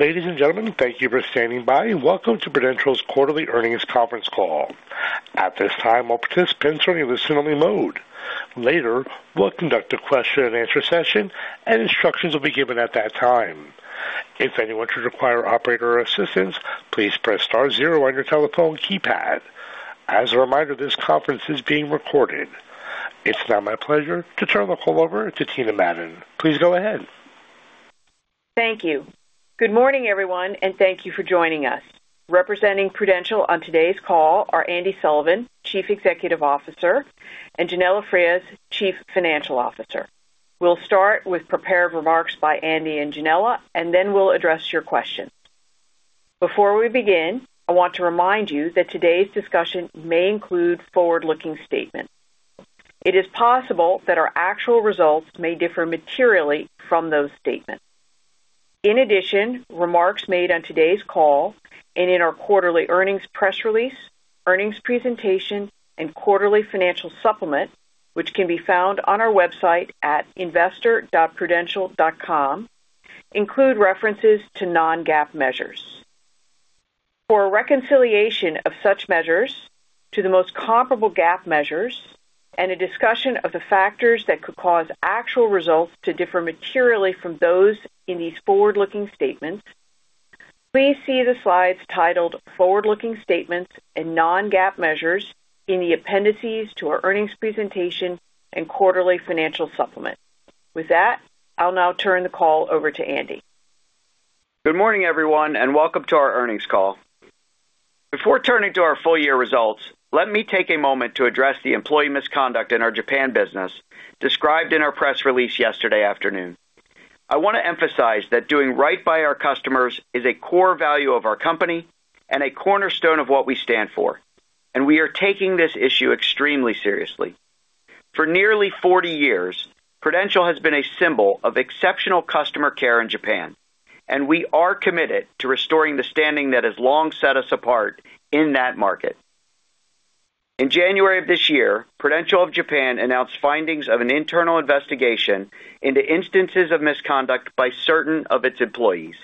Ladies and gentlemen, thank you for standing by, and welcome to Prudential's quarterly earnings conference call. At this time, all participants are in listen-only mode. Later, we'll conduct a question-and-answer session, and instructions will be given at that time. If anyone should require operator assistance, please press star zero on your telephone keypad. As a reminder, this conference is being recorded. It's now my pleasure to turn the call over to Tina Madon. Please go ahead. Thank you. Good morning, everyone, and thank you for joining us. Representing Prudential on today's call are Andy Sullivan, Chief Executive Officer, and Yanela Frias, Chief Financial Officer. We'll start with prepared remarks by Andy and Yanela, and then we'll address your questions. Before we begin, I want to remind you that today's discussion may include forward-looking statements. It is possible that our actual results may differ materially from those statements. In addition, remarks made on today's call and in our quarterly earnings press release, earnings presentation, and quarterly financial supplement, which can be found on our website at investor.prudential.com, include references to non-GAAP measures. For a reconciliation of such measures to the most comparable GAAP measures and a discussion of the factors that could cause actual results to differ materially from those in these forward-looking statements, please see the slides titled Forward-Looking Statements and Non-GAAP Measures in the appendices to our earnings presentation and quarterly financial supplement. With that, I'll now turn the call over to Andy. Good morning, everyone, and welcome to our earnings call. Before turning to our full-year results, let me take a moment to address the employee misconduct in our Japan business described in our press release yesterday afternoon. I want to emphasize that doing right by our customers is a core value of our company and a cornerstone of what we stand for, and we are taking this issue extremely seriously. For nearly 40 years, Prudential has been a symbol of exceptional customer care in Japan, and we are committed to restoring the standing that has long set us apart in that market. In January of this year, Prudential of Japan announced findings of an internal investigation into instances of misconduct by certain of its employees.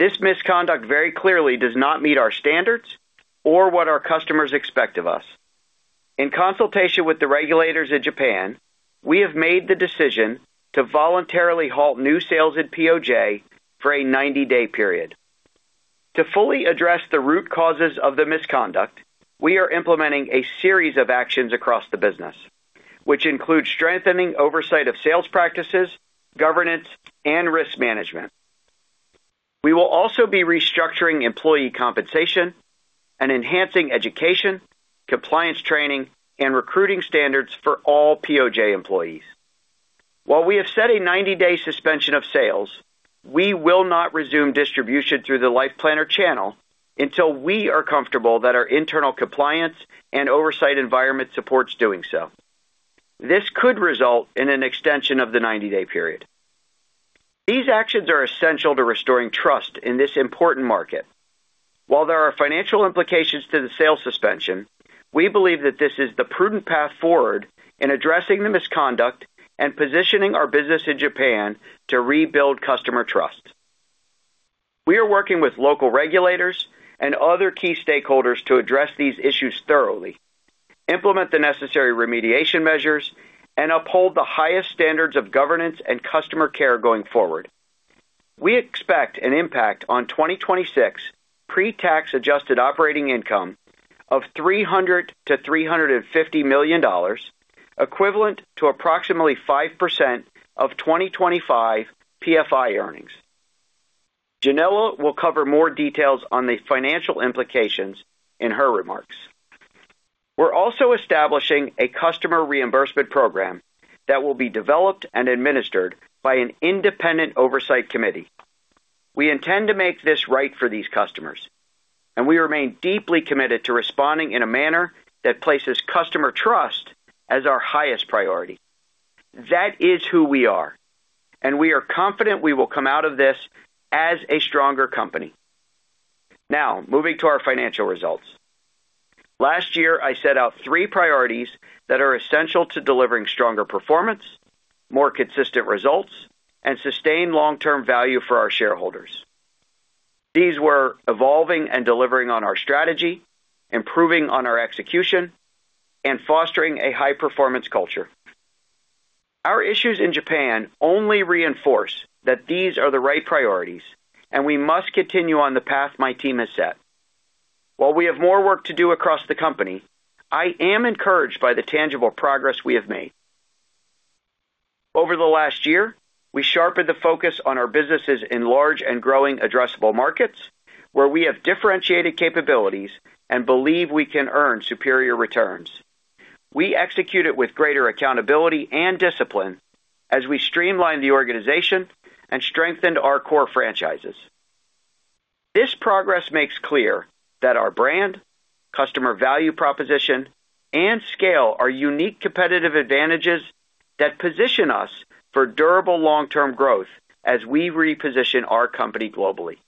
This misconduct very clearly does not meet our standards or what our customers expect of us. In consultation with the regulators in Japan, we have made the decision to voluntarily halt new sales at POJ for a 90-day period. To fully address the root causes of the misconduct, we are implementing a series of actions across the business, which include strengthening oversight of sales practices, governance, and risk management. We will also be restructuring employee compensation and enhancing education, compliance training, and recruiting standards for all POJ employees. While we have set a 90-day suspension of sales, we will not resume distribution through the Life Planner channel until we are comfortable that our internal compliance and oversight environment supports doing so. This could result in an extension of the 90-day period. These actions are essential to restoring trust in this important market. While there are financial implications to the sales suspension, we believe that this is the prudent path forward in addressing the misconduct and positioning our business in Japan to rebuild customer trust. We are working with local regulators and other key stakeholders to address these issues thoroughly, implement the necessary remediation measures, and uphold the highest standards of governance and customer care going forward. We expect an impact on 2026 pre-tax adjusted operating income of $300 million-$350 million, equivalent to approximately 5% of 2025 PFI earnings. Yanela will cover more details on the financial implications in her remarks. We're also establishing a customer reimbursement program that will be developed and administered by an independent oversight committee. We intend to make this right for these customers, and we remain deeply committed to responding in a manner that places customer trust as our highest priority. That is who we are, and we are confident we will come out of this as a stronger company. Now, moving to our financial results. Last year, I set out three priorities that are essential to delivering stronger performance, more consistent results, and sustained long-term value for our shareholders. These were evolving and delivering on our strategy, improving on our execution, and fostering a high-performance culture. Our issues in Japan only reinforce that these are the right priorities, and we must continue on the path my team has set. While we have more work to do across the company, I am encouraged by the tangible progress we have made. Over the last year, we sharpened the focus on our businesses in large and growing addressable markets where we have differentiated capabilities and believe we can earn superior returns. We executed with greater accountability and discipline as we streamlined the organization and strengthened our core franchises. This progress makes clear that our brand, customer value proposition, and scale are unique competitive advantages that position us for durable long-term growth as we reposition our company globally.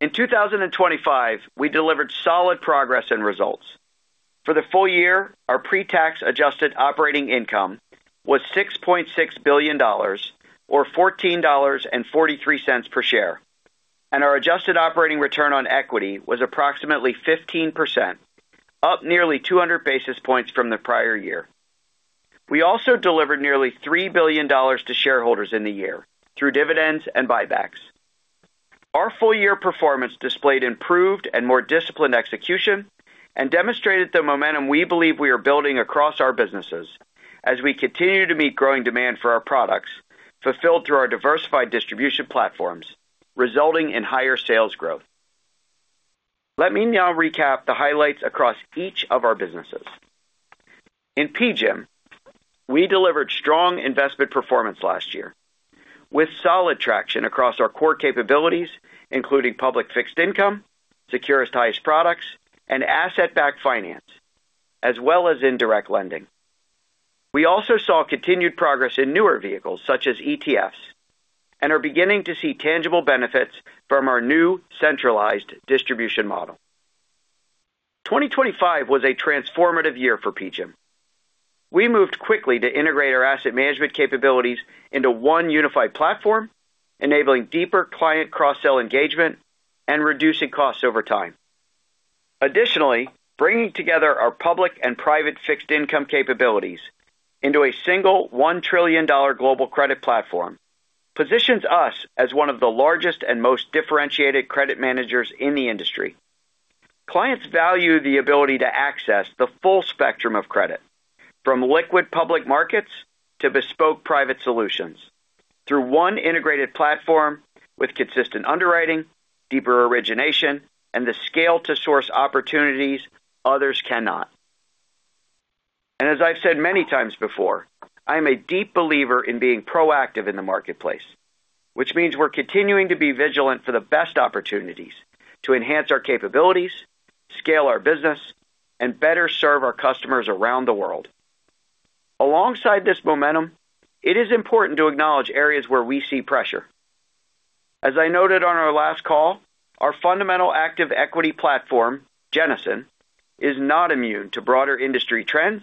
In 2025, we delivered solid progress and results. For the full year, our pre-tax adjusted operating income was $6.6 billion, or $14.43 per share, and our adjusted operating return on equity was approximately 15%, up nearly 200 basis points from the prior year. We also delivered nearly $3 billion to shareholders in the year through dividends and buybacks. Our full-year performance displayed improved and more disciplined execution and demonstrated the momentum we believe we are building across our businesses as we continue to meet growing demand for our products, fulfilled through our diversified distribution platforms, resulting in higher sales growth. Let me now recap the highlights across each of our businesses. In PGIM, we delivered strong investment performance last year, with solid traction across our core capabilities, including public fixed income, securitized products, and asset-backed finance, as well as in direct lending. We also saw continued progress in newer vehicles, such as ETFs, and are beginning to see tangible benefits from our new centralized distribution model. 2025 was a transformative year for PGIM. We moved quickly to integrate our asset management capabilities into one unified platform, enabling deeper client cross-sell engagement and reducing costs over time. Additionally, bringing together our public and private fixed income capabilities into a single $1 trillion global credit platform positions us as one of the largest and most differentiated credit managers in the industry. Clients value the ability to access the full spectrum of credit, from liquid public markets to bespoke private solutions, through one integrated platform with consistent underwriting, deeper origination, and the scale to source opportunities others cannot. And as I've said many times before, I'm a deep believer in being proactive in the marketplace, which means we're continuing to be vigilant for the best opportunities to enhance our capabilities, scale our business, and better serve our customers around the world. Alongside this momentum, it is important to acknowledge areas where we see pressure. As I noted on our last call, our fundamental active equity platform, Jennison, is not immune to broader industry trends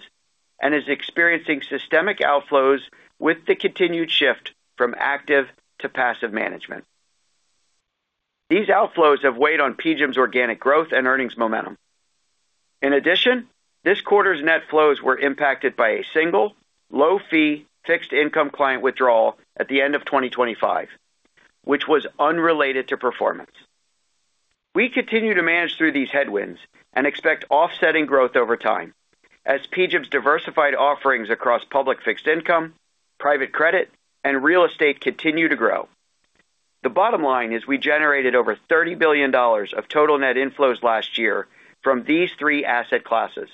and is experiencing systemic outflows with the continued shift from active to passive management. These outflows have weighed on PGIM's organic growth and earnings momentum. In addition, this quarter's net flows were impacted by a single low-fee fixed income client withdrawal at the end of 2025, which was unrelated to performance. We continue to manage through these headwinds and expect offsetting growth over time as PGIM's diversified offerings across public fixed income, private credit, and real estate continue to grow. The bottom line is we generated over $30 billion of total net inflows last year from these three asset classes.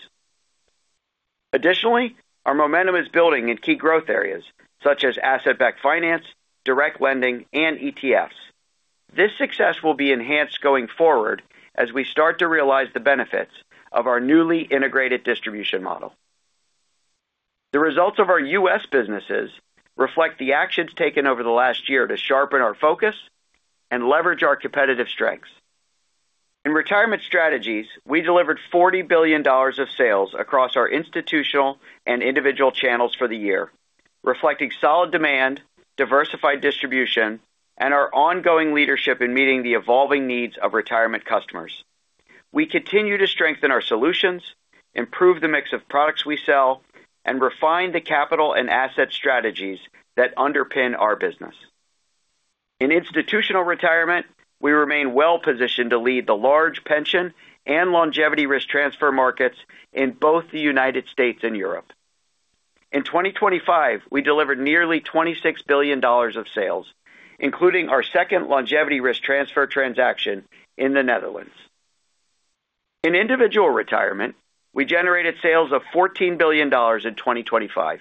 Additionally, our momentum is building in key growth areas such as asset-backed finance, direct lending, and ETFs. This success will be enhanced going forward as we start to realize the benefits of our newly integrated distribution model. The results of our U.S. businesses reflect the actions taken over the last year to sharpen our focus and leverage our competitive strengths. In retirement strategies, we delivered $40 billion of sales across our institutional and individual channels for the year, reflecting solid demand, diversified distribution, and our ongoing leadership in meeting the evolving needs of retirement customers. We continue to strengthen our solutions, improve the mix of products we sell, and refine the capital and asset strategies that underpin our business. In institutional retirement, we remain well positioned to lead the large pension and longevity risk transfer markets in both the United States and Europe. In 2025, we delivered nearly $26 billion of sales, including our second longevity risk transfer transaction in the Netherlands. In Individual Retirement, we generated sales of $14 billion in 2025,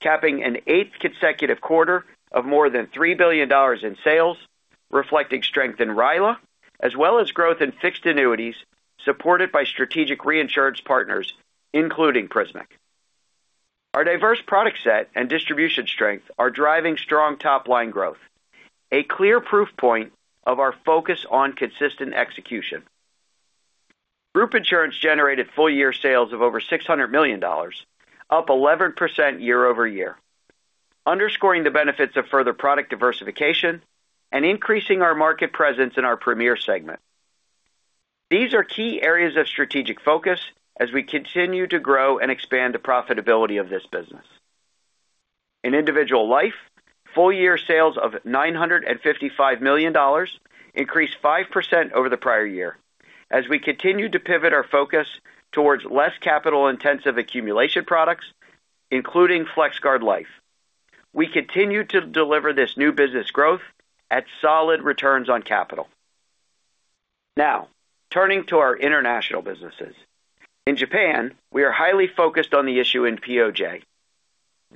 capping an eighth consecutive quarter of more than $3 billion in sales, reflecting strength in RILA, as well as growth in fixed annuities supported by strategic reinsurance partners, including Prismic. Our diverse product set and distribution strength are driving strong top-line growth, a clear proof point of our focus on consistent execution. Group Insurance generated full-year sales of over $600 million, up 11% year-over-year, underscoring the benefits of further product diversification and increasing our market presence in our premier segment. These are key areas of strategic focus as we continue to grow and expand the profitability of this business. In Individual Life, full-year sales of $955 million increased 5% over the prior year. As we continue to pivot our focus towards less capital-intensive accumulation products, including FlexGuard Life, we continue to deliver this new business growth at solid returns on capital. Now, turning to our international businesses. In Japan, we are highly focused on the issue in POJ.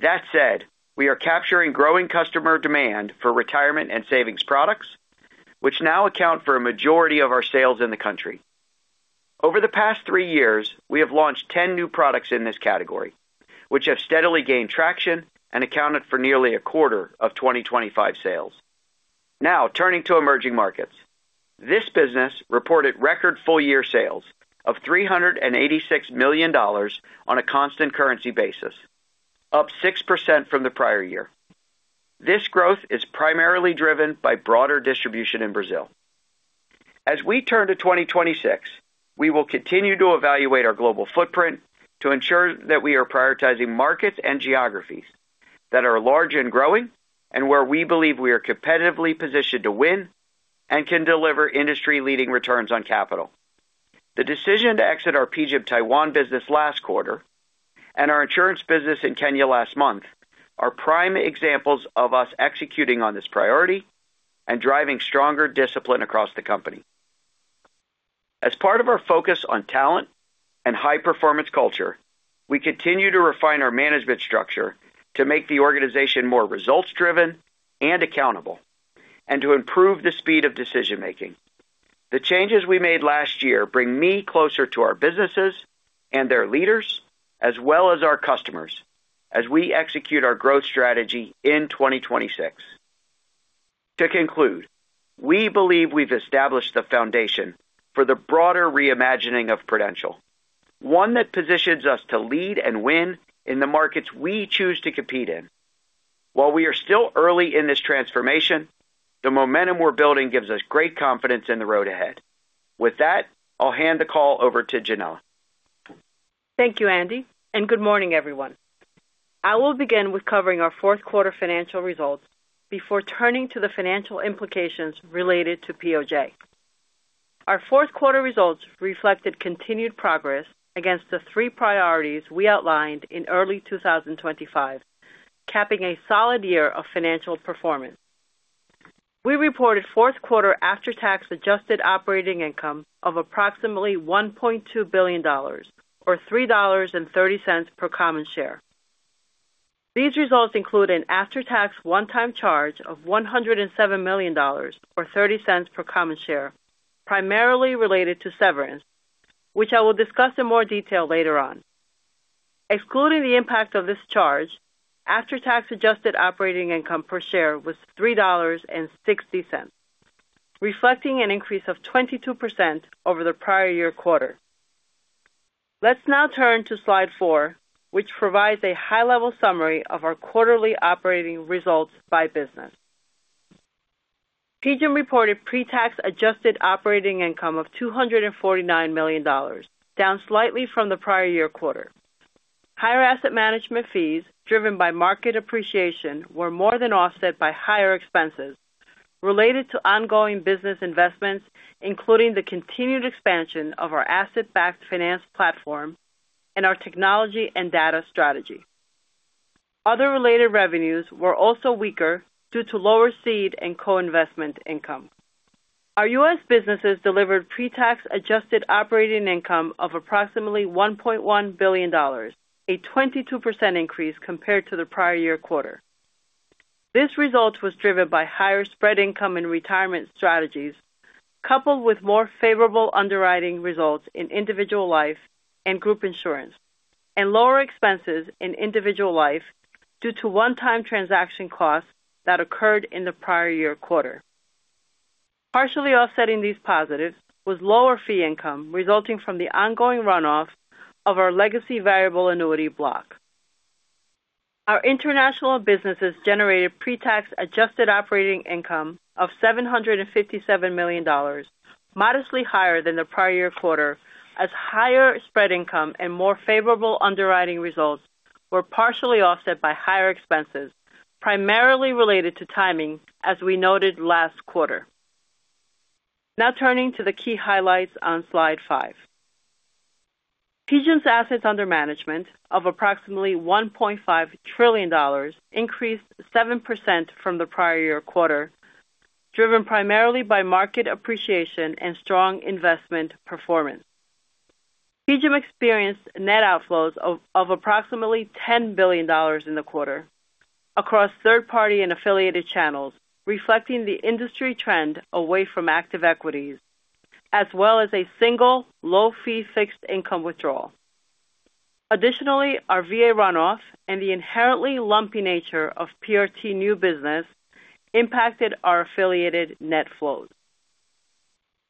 That said, we are capturing growing customer demand for retirement and savings products, which now account for a majority of our sales in the country. Over the past three years, we have launched 10 new products in this category, which have steadily gained traction and accounted for nearly a quarter of 2025 sales. Now, turning to emerging markets. This business reported record full-year sales of $386 million on a constant currency basis, up 6% from the prior year. This growth is primarily driven by broader distribution in Brazil. As we turn to 2026, we will continue to evaluate our global footprint to ensure that we are prioritizing markets and geographies that are large and growing, and where we believe we are competitively positioned to win and can deliver industry-leading returns on capital. The decision to exit our PGIM Taiwan business last quarter, and our insurance business in Kenya last month, are prime examples of us executing on this priority and driving stronger discipline across the company. As part of our focus on talent and high-performance culture, we continue to refine our management structure to make the organization more results-driven and accountable, and to improve the speed of decision-making. The changes we made last year bring me closer to our businesses and their leaders, as well as our customers, as we execute our growth strategy in 2026. To conclude, we believe we've established the foundation for the broader reimagining of Prudential, one that positions us to lead and win in the markets we choose to compete in. While we are still early in this transformation, the momentum we're building gives us great confidence in the road ahead. With that, I'll hand the call over to Yanela. Thank you, Andy, and good morning, everyone. I will begin with covering our fourth quarter financial results before turning to the financial implications related to POJ. Our fourth quarter results reflected continued progress against the three priorities we outlined in early 2025, capping a solid year of financial performance. We reported fourth quarter after-tax adjusted operating income of approximately $1.2 billion, or $3.30 per common share. These results include an after-tax one-time charge of $107 million, or $0.30 per common share, primarily related to severance, which I will discuss in more detail later on. Excluding the impact of this charge, after-tax adjusted operating income per share was $3.60, reflecting an increase of 22% over the prior-year quarter. Let's now turn to slide four, which provides a high-level summary of our quarterly operating results by business. PGIM reported pre-tax adjusted operating income of $249 million, down slightly from the prior-year quarter. Higher asset management fees, driven by market appreciation, were more than offset by higher expenses related to ongoing business investments, including the continued expansion of our asset-backed finance platform and our technology and data strategy. Other related revenues were also weaker due to lower seed and co-investment income. Our U.S. businesses delivered pre-tax adjusted operating income of approximately $1.1 billion, a 22% increase compared to the prior-year quarter. This result was driven by higher spread income in retirement strategies, coupled with more favorable underwriting results in Individual Life and Group Insurance, and lower expenses in Individual Life due to one-time transaction costs that occurred in the prior-year quarter. Partially offsetting these positives was lower fee income, resulting from the ongoing runoff of our legacy variable annuity block. Our international businesses generated pre-tax adjusted operating income of $757 million, modestly higher than the prior-year quarter, as higher spread income and more favorable underwriting results were partially offset by higher expenses, primarily related to timing, as we noted last quarter. Now turning to the key highlights on slide five. PGIM's assets under management of approximately $1.5 trillion increased 7% from the prior-year quarter, driven primarily by market appreciation and strong investment performance. PGIM experienced net outflows of approximately $10 billion in the quarter across third-party and affiliated channels, reflecting the industry trend away from active equities, as well as a single low-fee fixed income withdrawal. Additionally, our VA runoff and the inherently lumpy nature of PRT new business impacted our affiliated net flows.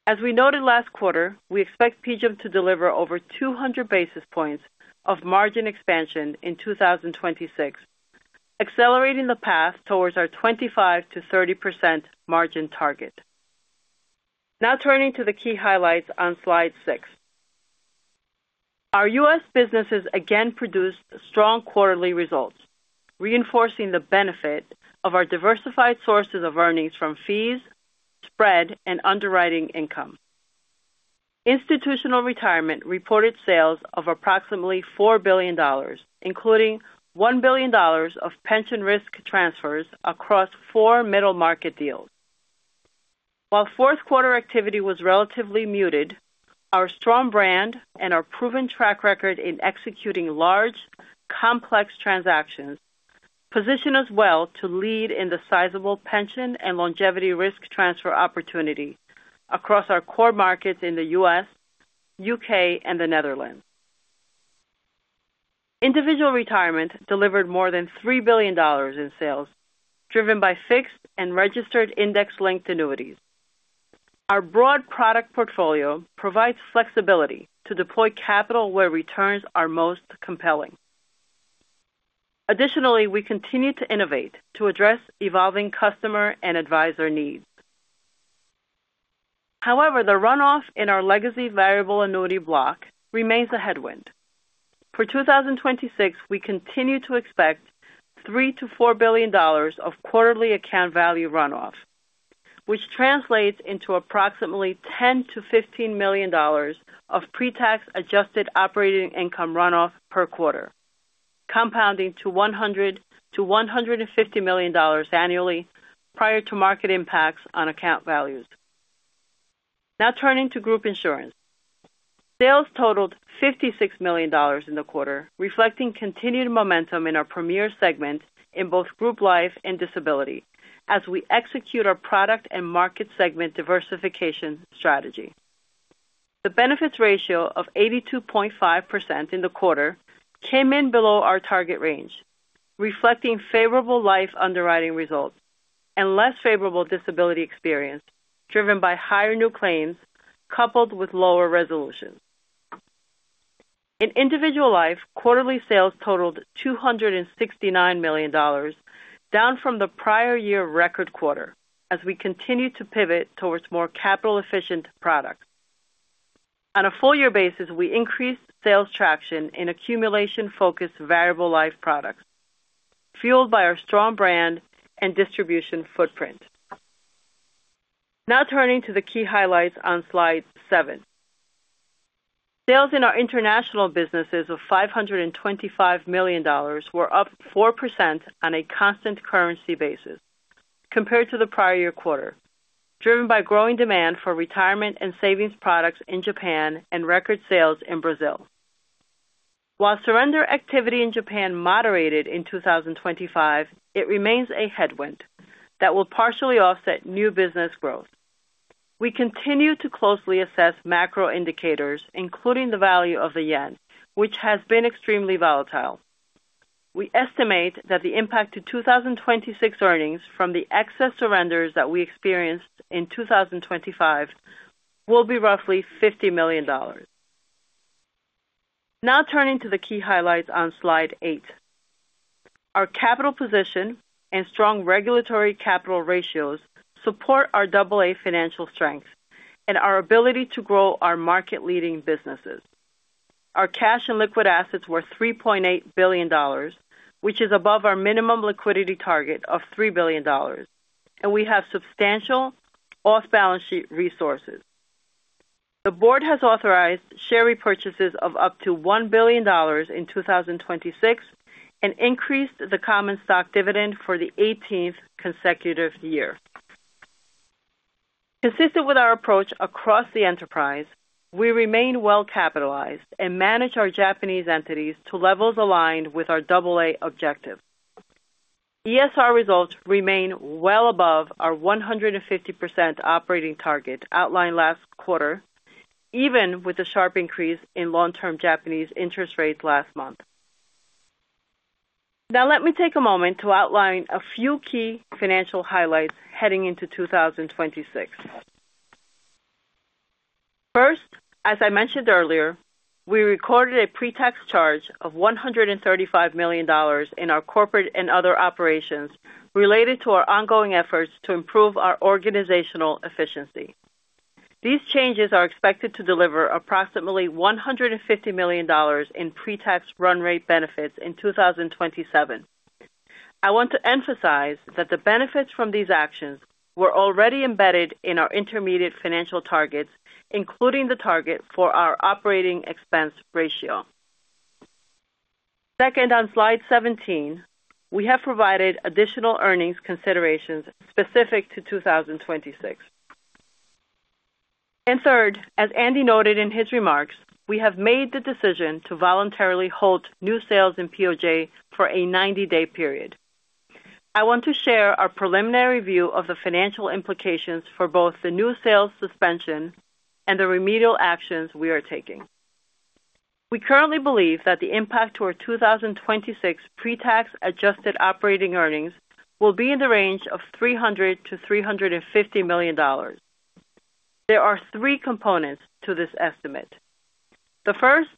As we noted last quarter, we expect PGIM to deliver over 200 basis points of margin expansion in 2026, accelerating the path towards our 25%-30% margin target. Now turning to the key highlights on slide six. Our U.S. businesses again produced strong quarterly results, reinforcing the benefit of our diversified sources of earnings from fees, spread, and underwriting income. Institutional Retirement reported sales of approximately $4 billion, including $1 billion of pension risk transfers across four middle-market deals. While fourth quarter activity was relatively muted, our strong brand and our proven track record in executing large, complex transactions position us well to lead in the sizable pension and longevity risk transfer opportunity across our core markets in the U.S., U.K., and the Netherlands. Individual Retirement delivered more than $3 billion in sales, driven by fixed and registered index-linked annuities. Our broad product portfolio provides flexibility to deploy capital where returns are most compelling. Additionally, we continue to innovate to address evolving customer and advisor needs. However, the runoff in our legacy variable annuity block remains a headwind. For 2026, we continue to expect $3 billion-$4 billion of quarterly account value runoff, which translates into approximately $10 million-$15 million of pre-tax adjusted operating income runoff per quarter, compounding to $100 million-$150 million annually prior to market impacts on account values. Now turning to Group Insurance. Sales totaled $56 million in the quarter, reflecting continued momentum in our premier segment in both Group Life and Disability as we execute our product and market segment diversification strategy. The benefits ratio of 82.5% in the quarter came in below our target range, reflecting favorable life underwriting results and less favorable disability experience, driven by higher new claims coupled with lower resolutions. In Individual Life, quarterly sales totaled $269 million, down from the prior-year record quarter as we continue to pivot towards more capital-efficient products. On a full-year basis, we increased sales traction in accumulation-focused variable life products, fueled by our strong brand and distribution footprint. Now turning to the key highlights on slide seven. Sales in our international businesses of $525 million were up 4% on a constant currency basis compared to the prior-year quarter, driven by growing demand for retirement and savings products in Japan and record sales in Brazil. While surrender activity in Japan moderated in 2025, it remains a headwind that will partially offset new business growth. We continue to closely assess macro indicators, including the value of the yen, which has been extremely volatile. We estimate that the impact to 2026 earnings from the excess surrenders that we experienced in 2025 will be roughly $50 million. Now turning to the key highlights on slide eight. Our capital position and strong regulatory capital ratios support our AA financial strength and our ability to grow our market-leading businesses. Our cash and liquid assets were $3.8 billion, which is above our minimum liquidity target of $3 billion, and we have substantial off-balance sheet resources. The board has authorized share repurchases of up to $1 billion in 2026 and increased the common stock dividend for the 18th consecutive year. Consistent with our approach across the enterprise, we remain well capitalized and manage our Japanese entities to levels aligned with our AA objective. ESR results remain well above our 150% operating target outlined last quarter, even with the sharp increase in long-term Japanese interest rates last month. Now, let me take a moment to outline a few key financial highlights heading into 2026. First, as I mentioned earlier, we recorded a pre-tax charge of $135 million in our corporate and other operations related to our ongoing efforts to improve our organizational efficiency. These changes are expected to deliver approximately $150 million in pre-tax run rate benefits in 2027. I want to emphasize that the benefits from these actions were already embedded in our intermediate financial targets, including the target for our operating expense ratio. Second, on slide 17, we have provided additional earnings considerations specific to 2026. Third, as Andy noted in his remarks, we have made the decision to voluntarily halt new sales in POJ for a 90-day period. I want to share our preliminary view of the financial implications for both the new sales suspension and the remedial actions we are taking. We currently believe that the impact to our 2026 pre-tax adjusted operating earnings will be in the range of $300 million-$350 million. There are three components to this estimate. The first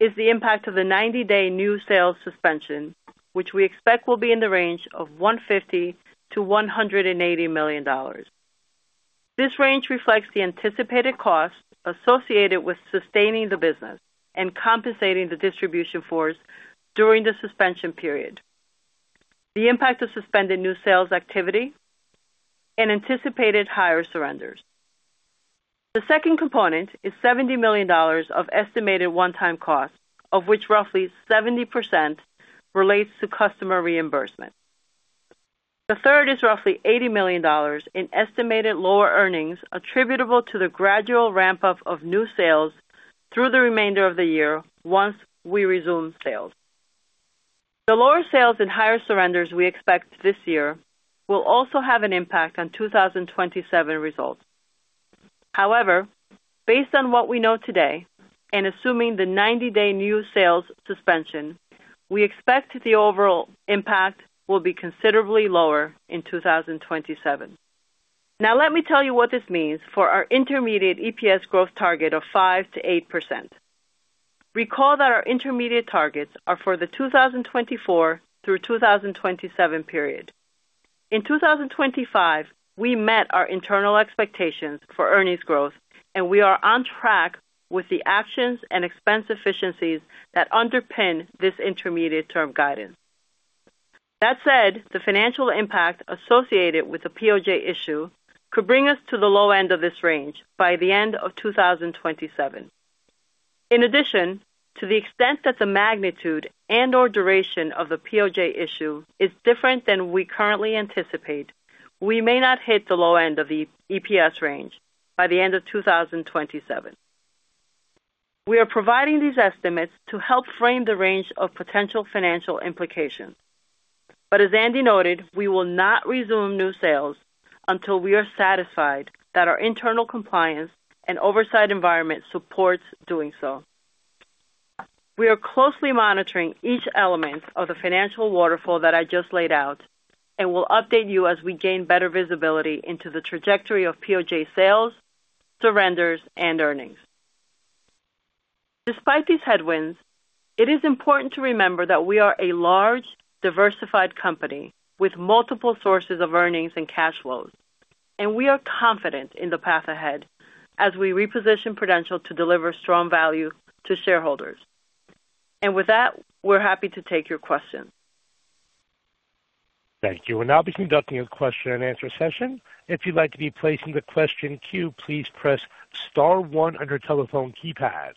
is the impact of the 90-day new sales suspension, which we expect will be in the range of $150 million-$180 million. This range reflects the anticipated costs associated with sustaining the business and compensating the distribution force during the suspension period, the impact of suspended new sales activity, and anticipated higher surrenders. The second component is $70 million of estimated one-time costs, of which roughly 70% relates to customer reimbursement. The third is roughly $80 million in estimated lower earnings attributable to the gradual ramp-up of new sales through the remainder of the year once we resume sales. The lower sales and higher surrenders we expect this year will also have an impact on 2027 results. However, based on what we know today and assuming the 90-day new sales suspension, we expect the overall impact will be considerably lower in 2027. Now, let me tell you what this means for our intermediate EPS growth target of 5%-8%. Recall that our intermediate targets are for the 2024 through 2027 period. In 2025, we met our internal expectations for earnings growth, and we are on track with the actions and expense efficiencies that underpin this intermediate-term guidance. That said, the financial impact associated with the POJ issue could bring us to the low end of this range by the end of 2027. In addition, to the extent that the magnitude and or duration of the POJ issue is different than we currently anticipate, we may not hit the low end of the EPS range by the end of 2027. We are providing these estimates to help frame the range of potential financial implications. But as Andy noted, we will not resume new sales until we are satisfied that our internal compliance and oversight environment supports doing so. We are closely monitoring each element of the financial waterfall that I just laid out and will update you as we gain better visibility into the trajectory of POJ sales, surrenders, and earnings. Despite these headwinds, it is important to remember that we are a large, diversified company with multiple sources of earnings and cash flows, and we are confident in the path ahead as we reposition Prudential to deliver strong value to shareholders. With that, we're happy to take your questions. Thank you. We'll now be conducting a question-and-answer session. If you'd like to be placed in the question queue, please press star one on your telephone keypad.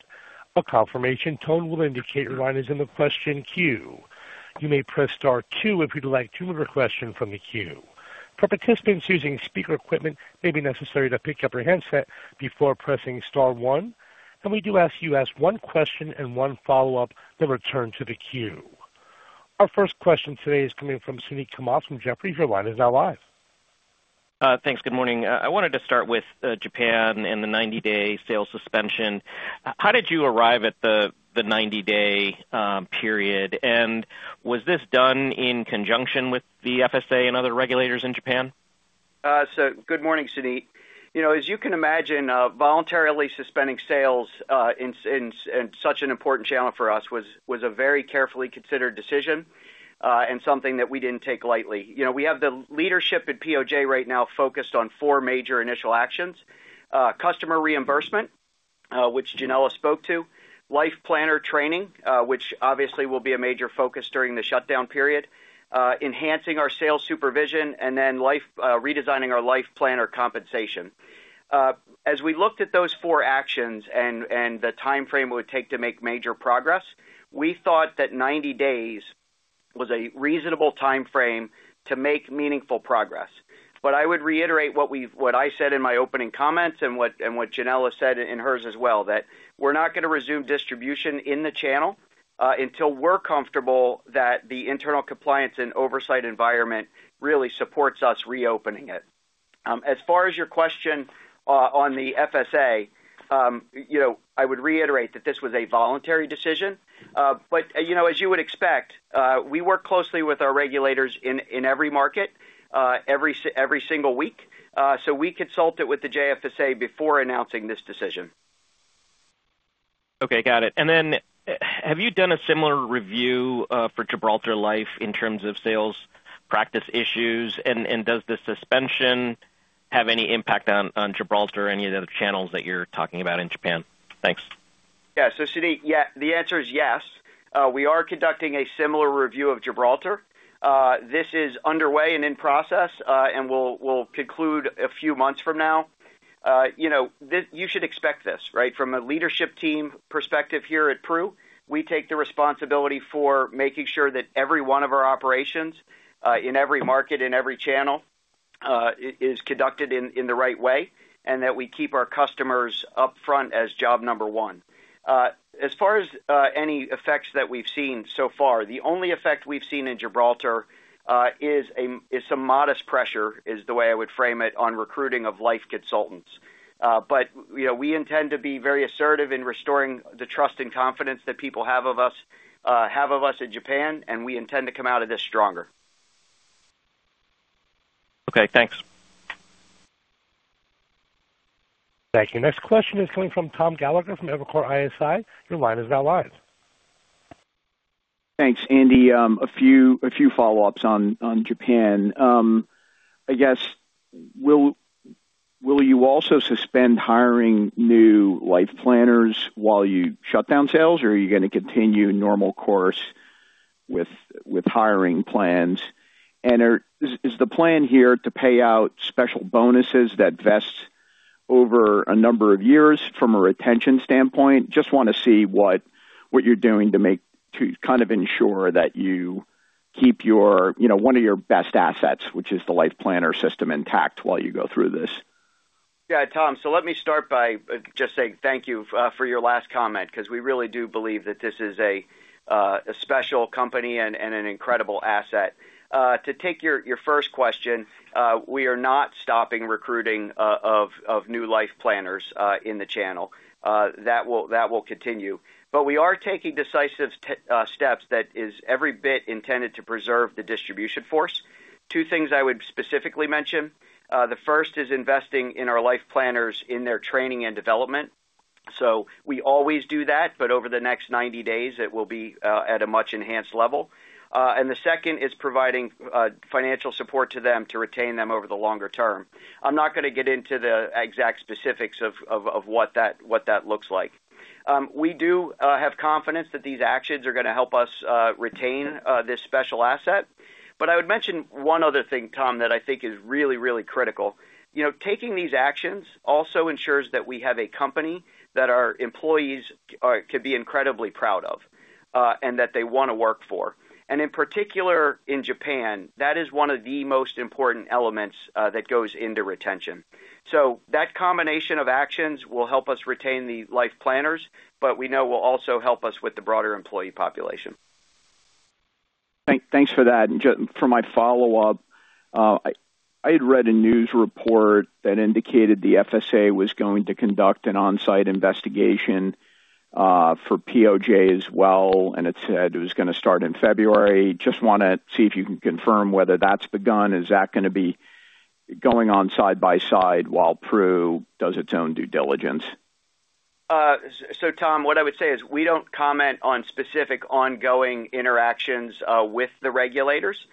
A confirmation tone will indicate your line is in the question queue. You may press star two if you'd like to remove your question from the queue. For participants using speaker equipment, it may be necessary to pick up your handset before pressing star one. We do ask you ask one question and one follow-up, then return to the queue. Our first question today is coming from Suneet Kamath from Jefferies. Your line is now live. Thanks. Good morning. I wanted to start with Japan and the 90-day sales suspension. How did you arrive at the 90-day period? And was this done in conjunction with the FSA and other regulators in Japan? So good morning, Suneet. You know, as you can imagine, voluntarily suspending sales in such an important channel for us was a very carefully considered decision, and something that we didn't take lightly. You know, we have the leadership at POJ right now focused on four major initial actions: customer reimbursement, which Yanela spoke to; life planner training, which obviously will be a major focus during the shutdown period; enhancing our sales supervision; and then redesigning our life planner compensation. As we looked at those four actions and the timeframe it would take to make major progress, we thought that 90 days was a reasonable timeframe to make meaningful progress. But I would reiterate what we've what I said in my opening comments and what, and what Yanela said in hers as well, that we're not going to resume distribution in the channel until we're comfortable that the internal compliance and oversight environment really supports us reopening it. As far as your question on the FSA, you know, I would reiterate that this was a voluntary decision. But, you know, as you would expect, we work closely with our regulators in every market, every single week. So we consulted with the J-FSA before announcing this decision. Okay, got it. And then, have you done a similar review for Gibraltar Life in terms of sales practice issues? And does the suspension have any impact on Gibraltar or any of the other channels that you're talking about in Japan? Thanks. Yeah. So, Suneet, yeah, the answer is yes. We are conducting a similar review of Gibraltar. This is underway and in process, and will conclude a few months from now. You know, this... You should expect this, right? From a leadership team perspective here at Pru, we take the responsibility for making sure that every one of our operations in every market, in every channel, is conducted in the right way, and that we keep our customers upfront as job number one. As far as any effects that we've seen so far, the only effect we've seen in Gibraltar is some modest pressure, is the way I would frame it, on recruiting of life consultants. But, you know, we intend to be very assertive in restoring the trust and confidence that people have of us in Japan, and we intend to come out of this stronger. Okay, thanks. Thank you. Next question is coming from Tom Gallagher from Evercore ISI. Your line is now live. Thanks, Andy. A few follow-ups on Japan. I guess, will you also suspend hiring new life planners while you shut down sales, or are you going to continue normal course with hiring plans? And is the plan here to pay out special bonuses that vest? Over a number of years from a retention standpoint, just want to see what you're doing to kind of ensure that you keep your, you know, one of your best assets, which is the Life Planner system, intact while you go through this? Yeah, Tom, so let me start by just saying thank you for your last comment, because we really do believe that this is a special company and an incredible asset. To take your first question, we are not stopping recruiting of new life planners in the channel. That will continue. But we are taking decisive steps that is every bit intended to preserve the distribution force. Two things I would specifically mention. The first is investing in our life planners in their training and development. So we always do that, but over the next 90 days, it will be at a much-enhanced level. And the second is providing financial support to them to retain them over the longer term. I'm not going to get into the exact specifics of what that looks like. We do have confidence that these actions are going to help us retain this special asset. But I would mention one other thing, Tom, that I think is really, really critical. You know, taking these actions also ensures that we have a company that our employees can be incredibly proud of and that they want to work for. And in particular, in Japan, that is one of the most important elements that goes into retention. So that combination of actions will help us retain the life planners, but we know will also help us with the broader employee population. Thanks for that. Just for my follow-up, I had read a news report that indicated the FSA was going to conduct an on-site investigation for POJ as well, and it said it was going to start in February. Just want to see if you can confirm whether that's begun. Is that going to be going on side by side while Pru does its own due diligence? So Tom, what I would say is we don't comment on specific ongoing interactions with the regulators.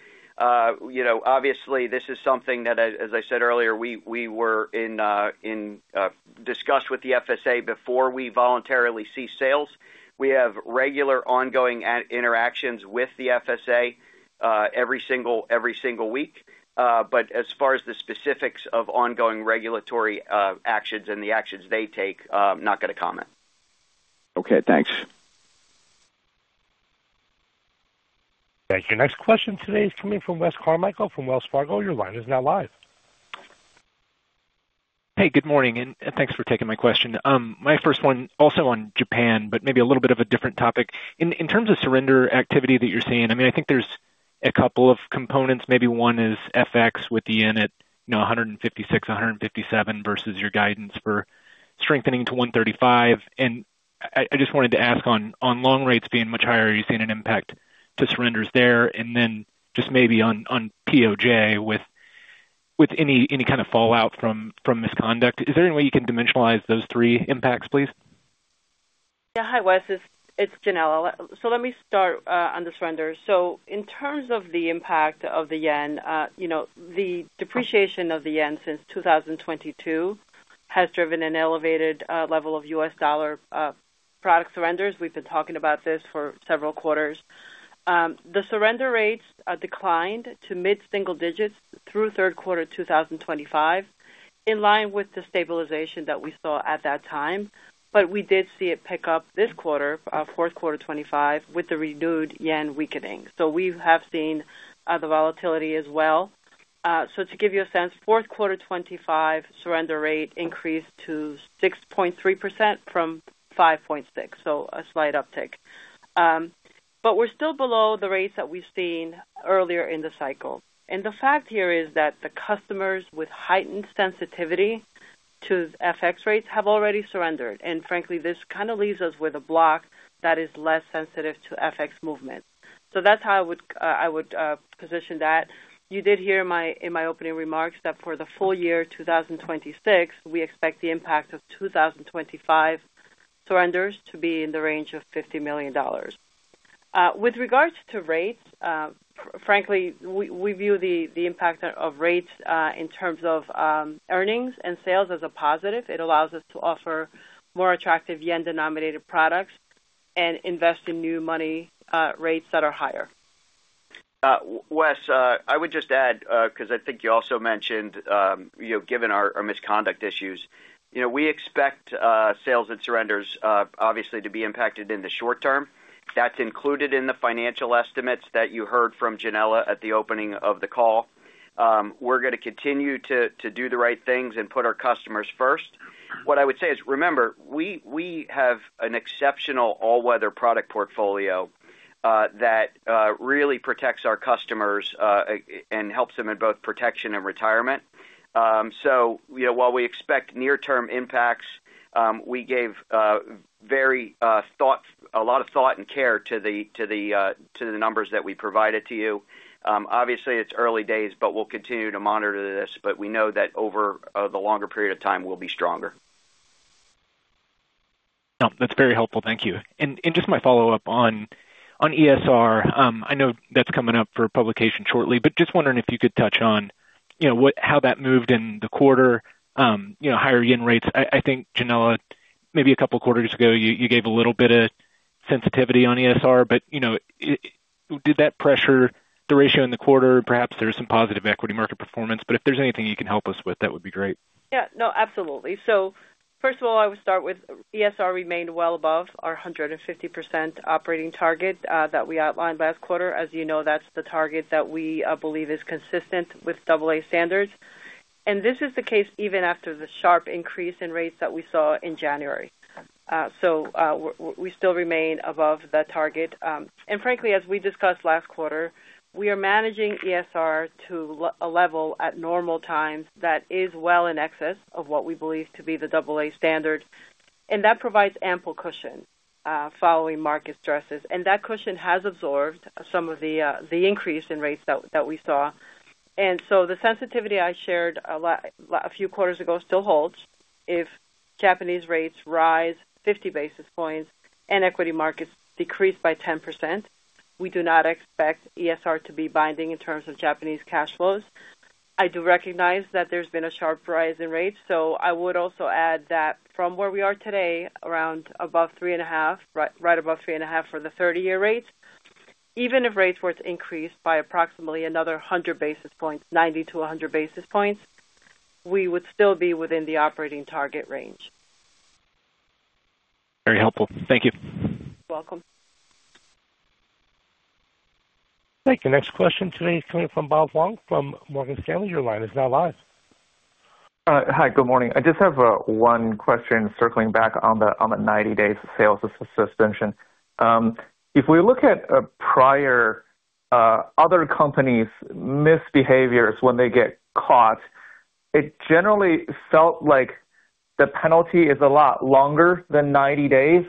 You know, obviously, this is something that, as I said earlier, we were in discussion with the FSA before we voluntarily ceased sales. We have regular ongoing interactions with the FSA every single week. But as far as the specifics of ongoing regulatory actions and the actions they take, I'm not going to comment. Okay, thanks. Thank you. Next question today is coming from Wes Carmichael from Wells Fargo. Your line is now live. Hey, good morning, and thanks for taking my question. My first one, also on Japan, but maybe a little bit of a different topic. In terms of surrender activity that you're seeing, I mean, I think there's a couple of components. Maybe one is FX with the yen at, you know, 156, 157 versus your guidance for strengthening to 135. And I just wanted to ask on long rates being much higher, are you seeing an impact to surrenders there? And then just maybe on POJ with any kind of fallout from misconduct, is there any way you can dimensionalize those three impacts, please? Yeah. Hi, Wes, it's Yanela. So let me start on the surrender. So in terms of the impact of the yen, you know, the depreciation of the yen since 2022 has driven an elevated level of U.S. dollar product surrenders. We've been talking about this for several quarters. The surrender rates declined to mid-single digits through third quarter 2025, in line with the stabilization that we saw at that time. But we did see it pick up this quarter, fourth quarter 2025, with the renewed yen weakening. So we have seen the volatility as well. So to give you a sense, fourth quarter 2025 surrender rate increased to 6.3% from 5.6%, so a slight uptick. But we're still below the rates that we've seen earlier in the cycle. The fact here is that the customers with heightened sensitivity to FX rates have already surrendered. Frankly, this kind of leaves us with a block that is less sensitive to FX movement. That's how I would position that. You did hear in my opening remarks, that for the full-year 2026, we expect the impact of 2025 surrenders to be in the range of $50 million. With regards to rates, frankly, we view the impact of rates in terms of earnings and sales as a positive. It allows us to offer more attractive yen-denominated products and invest in new money rates that are higher. Wes, I would just add, because I think you also mentioned, you know, given our misconduct issues, you know, we expect sales and surrenders, obviously, to be impacted in the short term. That's included in the financial estimates that you heard from Yanela at the opening of the call. We're going to continue to do the right things and put our customers first. What I would say is, remember, we have an exceptional all-weather product portfolio that really protects our customers and helps them in both protection and retirement. So, you know, while we expect near-term impacts, we gave a lot of thought and care to the numbers that we provided to you. Obviously, it's early days, but we'll continue to monitor this, but we know that over the longer period of time, we'll be stronger. No, that's very helpful. Thank you. And just my follow-up on ESR, I know that's coming up for publication shortly, but just wondering if you could touch on, you know, how that moved in the quarter, you know, higher yen rates. I think, Yanela, maybe a couple of quarters ago, you gave a little bit of sensitivity on ESR, but, you know, did that pressure the ratio in the quarter? Perhaps there is some positive equity market performance, but if there's anything you can help us with, that would be great. Yeah, no, absolutely. So first of all, I would start with ESR remained well above our 150% operating target, that we outlined last quarter. As you know, that's the target that we believe is consistent with AA standards. And this is the case even after the sharp increase in rates that we saw in January. So we still remain above the target. And frankly, as we discussed last quarter, we are managing ESR to a level at normal times that is well in excess of what we believe to be the AA standard, and that provides ample cushion following market stresses. And that cushion has absorbed some of the increase in rates that we saw. And so the sensitivity I shared a few quarters ago still holds. If Japanese rates rise 50 basis points and equity markets decrease by 10%, we do not expect ESR to be binding in terms of Japanese cash flows. I do recognize that there's been a sharp rise in rates, so I would also add that from where we are today, around above 3.5, right, right above 3.5 for the 30-year rates, even if rates were to increase by approximately another 100 basis points, 90-100 basis points, we would still be within the operating target range. Very helpful. Thank you. Welcome. Thank you. Next question today is coming from Bob Huang from Morgan Stanley. Your line is now live. Hi, good morning. I just have one question circling back on the 90-day sales suspension. If we look at a prior other companies' misbehaviors when they get caught, it generally felt like the penalty is a lot longer than 90 days.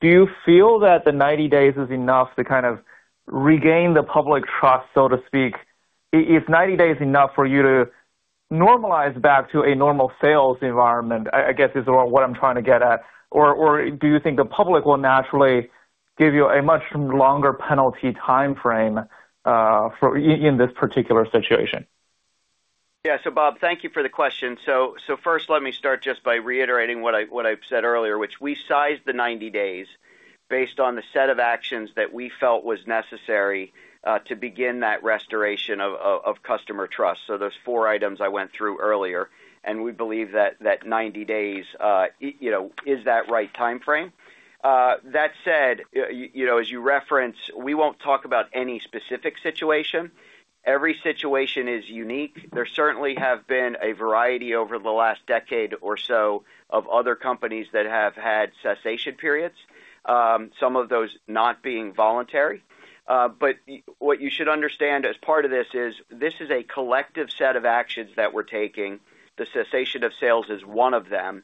Do you feel that the 90 days is enough to kind of regain the public trust, so to speak? Is 90 days enough for you to normalize back to a normal sales environment, I guess, is what I'm trying to get at. Or do you think the public will naturally give you a much longer penalty timeframe for in this particular situation? Yeah. So Bob, thank you for the question. So first, let me start just by reiterating what I've said earlier, which we sized the 90 days based on the set of actions that we felt was necessary, to begin that restoration of customer trust. So those four items I went through earlier, and we believe that 90 days, you know, is that right timeframe. That said, you know, as you reference, we won't talk about any specific situation. Every situation is unique. There certainly have been a variety over the last decade or so of other companies that have had cessation periods, some of those not being voluntary. But what you should understand as part of this is, this is a collective set of actions that we're taking. The cessation of sales is one of them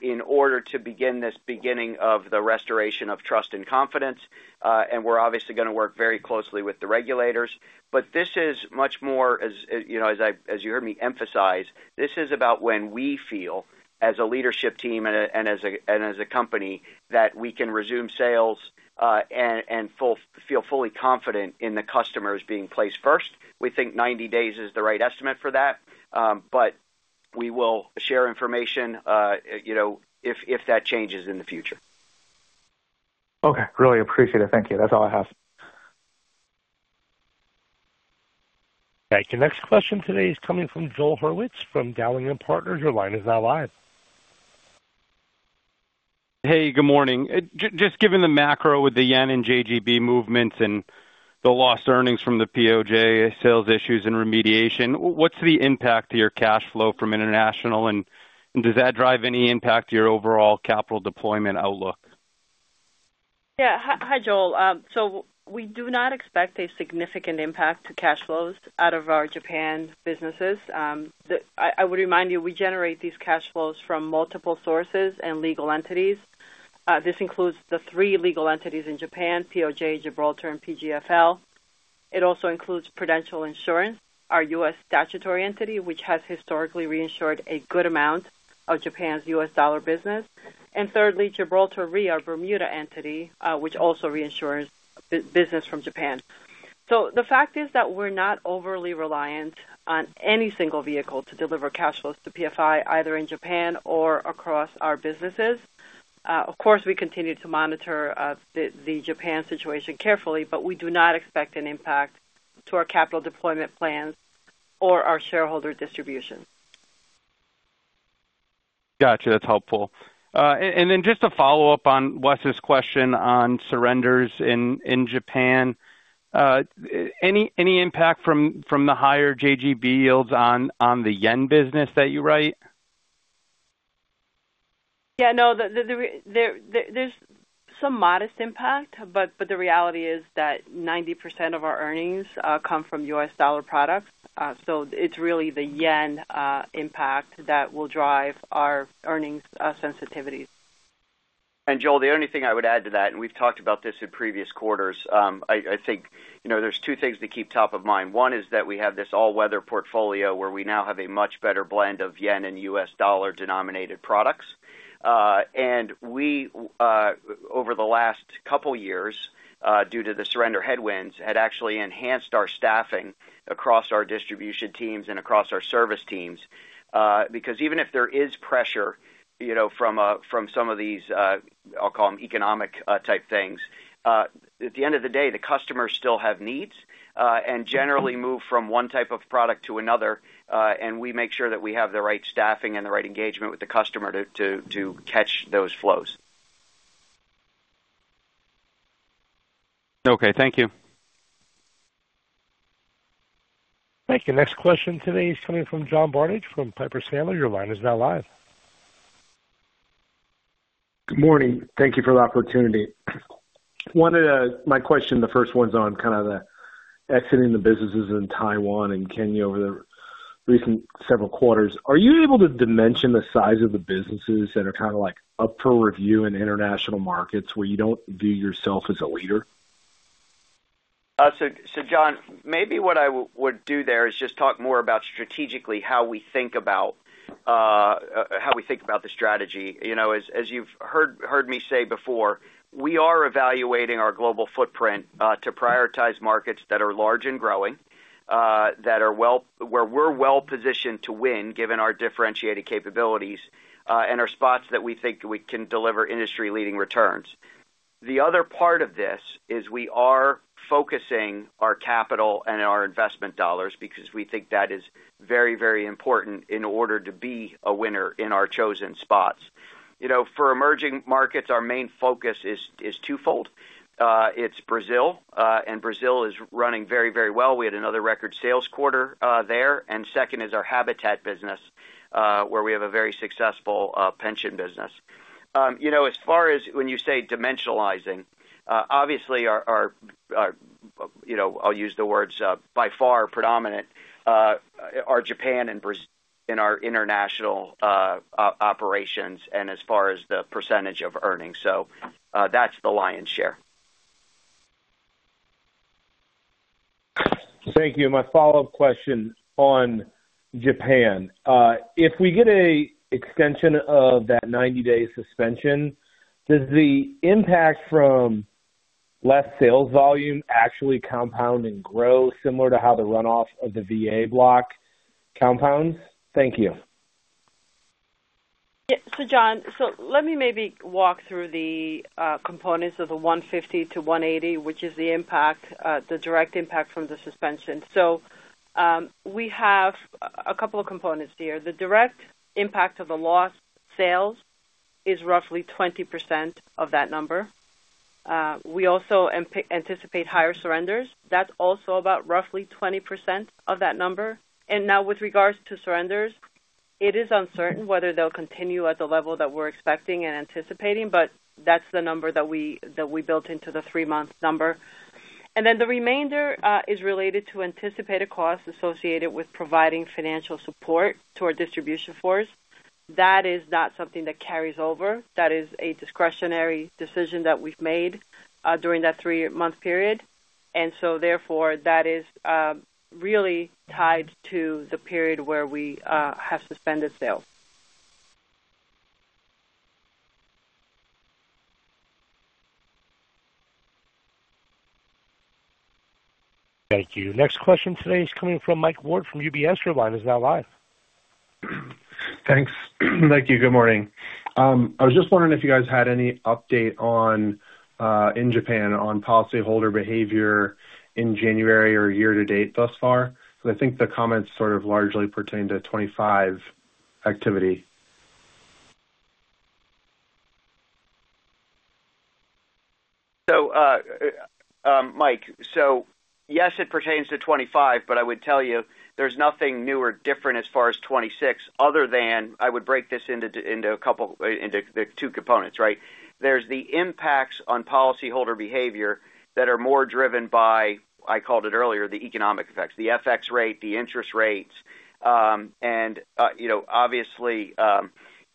in order to begin this beginning of the restoration of trust and confidence, and we're obviously going to work very closely with the regulators. But this is much more, you know, as you heard me emphasize, this is about when we feel, as a leadership team and as a company, that we can resume sales and feel fully confident in the customers being placed first. We think 90 days is the right estimate for that, but we will share information, you know, if that changes in the future. Okay. Really appreciate it. Thank you. That's all I have. Thank you. Next question today is coming from Joel Hurwitz from Dowling & Partners. Your line is now live. Hey, good morning. Just given the macro with the yen and JGB movements and the lost earnings from the POJ sales issues and remediation, what's the impact to your cash flow from international, and does that drive any impact to your overall capital deployment outlook? Yeah. Hi, hi, Joel. So we do not expect a significant impact to cash flows out of our Japan businesses. I would remind you, we generate these cash flows from multiple sources and legal entities. This includes the three legal entities in Japan, POJ, Gibraltar, and PGFL. It also includes Prudential Insurance, our U.S. statutory entity, which has historically reinsured a good amount of Japan's U.S. dollar business. And thirdly, Gibraltar Re, our Bermuda entity, which also reinsures business from Japan. So the fact is that we're not overly reliant on any single vehicle to deliver cash flows to PFI, either in Japan or across our businesses. Of course, we continue to monitor the Japan situation carefully, but we do not expect an impact to our capital deployment plans or our shareholder distribution. Gotcha. That's helpful. And then just to follow up on Wes's question on surrenders in Japan, any impact from the higher JGB yields on the yen business that you write? Yeah, no, there's some modest impact, but the reality is that 90% of our earnings come from U.S. dollar products. So it's really the yen impact that will drive our earnings sensitivities. And Joel, the only thing I would add to that, and we've talked about this in previous quarters, I think, you know, there's two things to keep top of mind. One is that we have this all-weather portfolio where we now have a much better blend of yen and U.S. dollar-denominated products. We over the last couple of years, due to the surrender headwinds, had actually enhanced our staffing across our distribution teams and across our service teams, because even if there is pressure, you know, from some of these, I'll call them economic type things, at the end of the day, the customers still have needs, and generally move from one type of product to another, and we make sure that we have the right staffing and the right engagement with the customer to catch those flows. Okay, thank you. Thank you. Next question today is coming from John Barnidge from Piper Sandler. Your line is now live. Good morning. Thank you for the opportunity. My question, the first one's on kind of the exiting the businesses in Taiwan and Kenya over the recent several quarters. Are you able to dimension the size of the businesses that are kind of like, up for review in international markets where you don't view yourself as a leader? So, so John, maybe what I would do there is just talk more about strategically, how we think about the strategy. You know, as you've heard me say before, we are evaluating our global footprint to prioritize markets that are large and growing that are where we're well positioned to win, given our differentiated capabilities, and are spots that we think we can deliver industry-leading returns. The other part of this is we are focusing our capital and our investment dollars because we think that is very, very important in order to be a winner in our chosen spots. You know, for emerging markets, our main focus is twofold. It's Brazil, and Brazil is running very, very well. We had another record sales quarter there, and second is our U.K. business, where we have a very successful pension business. You know, as far as when you say dimensionalizing, obviously, our you know, I'll use the words, by far predominant are Japan and Brazil in our international operations and as far as the percentage of earnings, so that's the lion's share. Thank you. My follow-up question on Japan. If we get an extension of that 90-day suspension, does the impact from less sales volume actually compound and grow similar to how the runoff of the VA block compounds? Thank you. Yeah. So, John, let me maybe walk through the components of the $150 million-$180 million, which is the impact, the direct impact from the suspension. So, we have a couple of components here. The direct impact of the lost sales is roughly 20% of that number. We also anticipate higher surrenders. That's also about roughly 20% of that number. And now, with regards to surrenders, it is uncertain whether they'll continue at the level that we're expecting and anticipating, but that's the number that we built into the three-month number. And then the remainder is related to anticipated costs associated with providing financial support to our distribution force. That is not something that carries over. That is a discretionary decision that we've made during that three-month period, and so therefore, that is really tied to the period where we have suspended sales. Thank you. Next question today is coming from Mike Ward from UBS. Your line is now live. Thanks. Thank you. Good morning. I was just wondering if you guys had any update on, in Japan, on policyholder behavior in January or year to date thus far, because I think the comments sort of largely pertain to 2025 activity. Mike, yes, it pertains to 2025, but I would tell you there's nothing new or different as far as 2026, other than I would break this into a couple into the two components, right? There's the impacts on policyholder behavior that are more driven by, I called it earlier, the economic effects, the FX rate, the interest rates. And you know, obviously,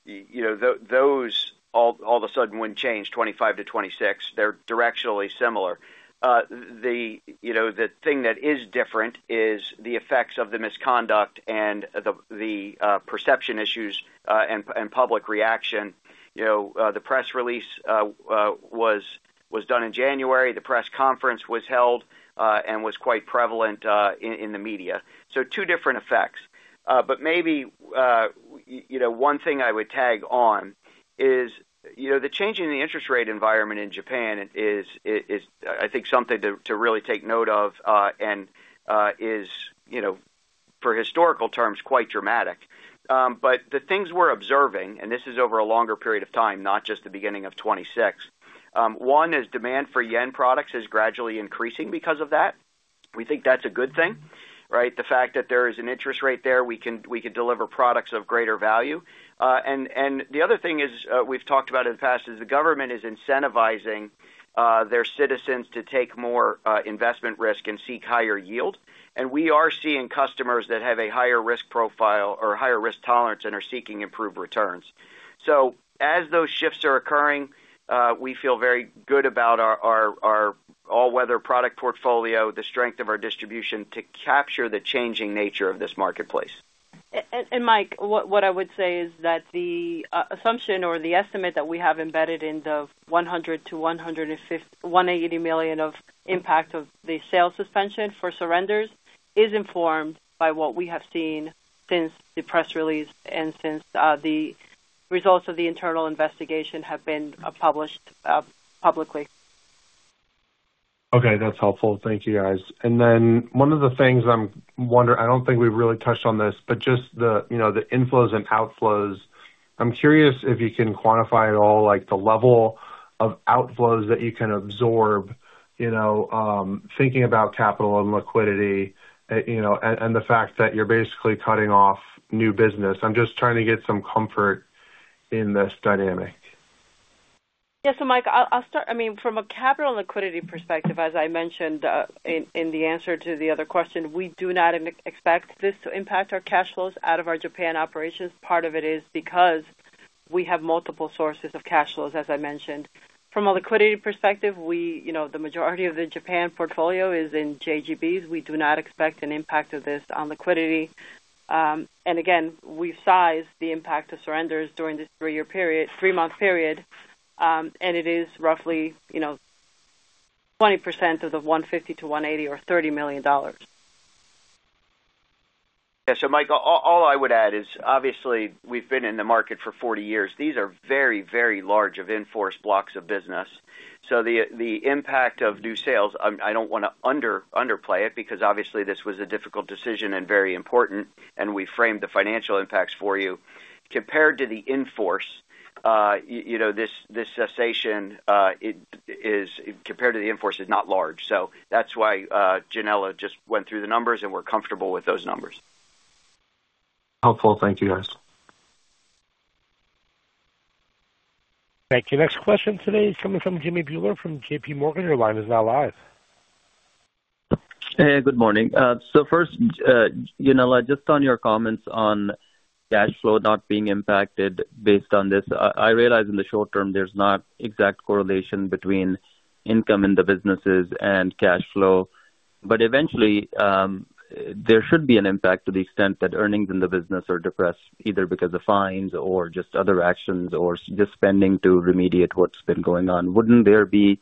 you know, those all of a sudden, when changed 2025 to 2026, they're directionally similar. The you know, the thing that is different is the effects of the misconduct and the perception issues and public reaction. You know, the press release was done in January. The press conference was held and was quite prevalent in the media. So two different effects. But maybe, you know, one thing I would tag on is, you know, the change in the interest rate environment in Japan is, I think, something to really take note of, and is, you know, for historical terms, quite dramatic. But the things we're observing, and this is over a longer period of time, not just the beginning of 2026, one is demand for yen products is gradually increasing because of that. We think that's a good thing, right? The fact that there is an interest rate there, we can deliver products of greater value. And the other thing is, we've talked about in the past, is the government is incentivizing their citizens to take more investment risk and seek higher yield. We are seeing customers that have a higher risk profile or higher risk tolerance and are seeking improved returns. As those shifts are occurring, we feel very good about our all-weather product portfolio, the strength of our distribution to capture the changing nature of this marketplace. And Mike, what I would say is that the assumption or the estimate that we have embedded in the $100 million-$150 million, $180 million of impact of the sales suspension for surrenders is informed by what we have seen since the press release and since the results of the internal investigation have been published publicly. Okay, that's helpful. Thank you, guys. And then one of the things I'm wondering, I don't think we've really touched on this, but just the, you know, the inflows and outflows. I'm curious if you can quantify at all, like, the level of outflows that you can absorb, you know, thinking about capital and liquidity, you know, and, and the fact that you're basically cutting off new business. I'm just trying to get some comfort in this dynamic. Yeah. So, Mike, I'll start. I mean, from a capital and liquidity perspective, as I mentioned in the answer to the other question, we do not expect this to impact our cash flows out of our Japan operations. Part of it is because we have multiple sources of cash flows, as I mentioned. From a liquidity perspective, we, you know, the majority of the Japan portfolio is in JGBs. We do not expect an impact of this on liquidity. And again, we've sized the impact of surrenders during this three-year period—three-month period, and it is roughly, you know, 20% of the $150 million-$180 million or $30 million. Yeah. So, Mike, all I would add is, obviously, we've been in the market for 40 years. These are very, very large in-force blocks of business. So the impact of new sales, I don't want to underplay it, because obviously this was a difficult decision and very important, and we framed the financial impacts for you. Compared to the in-force, you know, this cessation, it is compared to the in-force, is not large. So that's why, Yanela just went through the numbers, and we're comfortable with those numbers. Helpful. Thank you, guys. Thank you. Next question today is coming from Jimmy Bhullar, from JPMorgan. Your line is now live. Hey, good morning. So first, Yanela, just on your comments on cash flow not being impacted based on this, I realize in the short term, there's not exact correlation between income in the businesses and cash flow. But eventually, there should be an impact to the extent that earnings in the business are depressed, either because of fines or just other actions, or just spending to remediate what's been going on. Wouldn't there be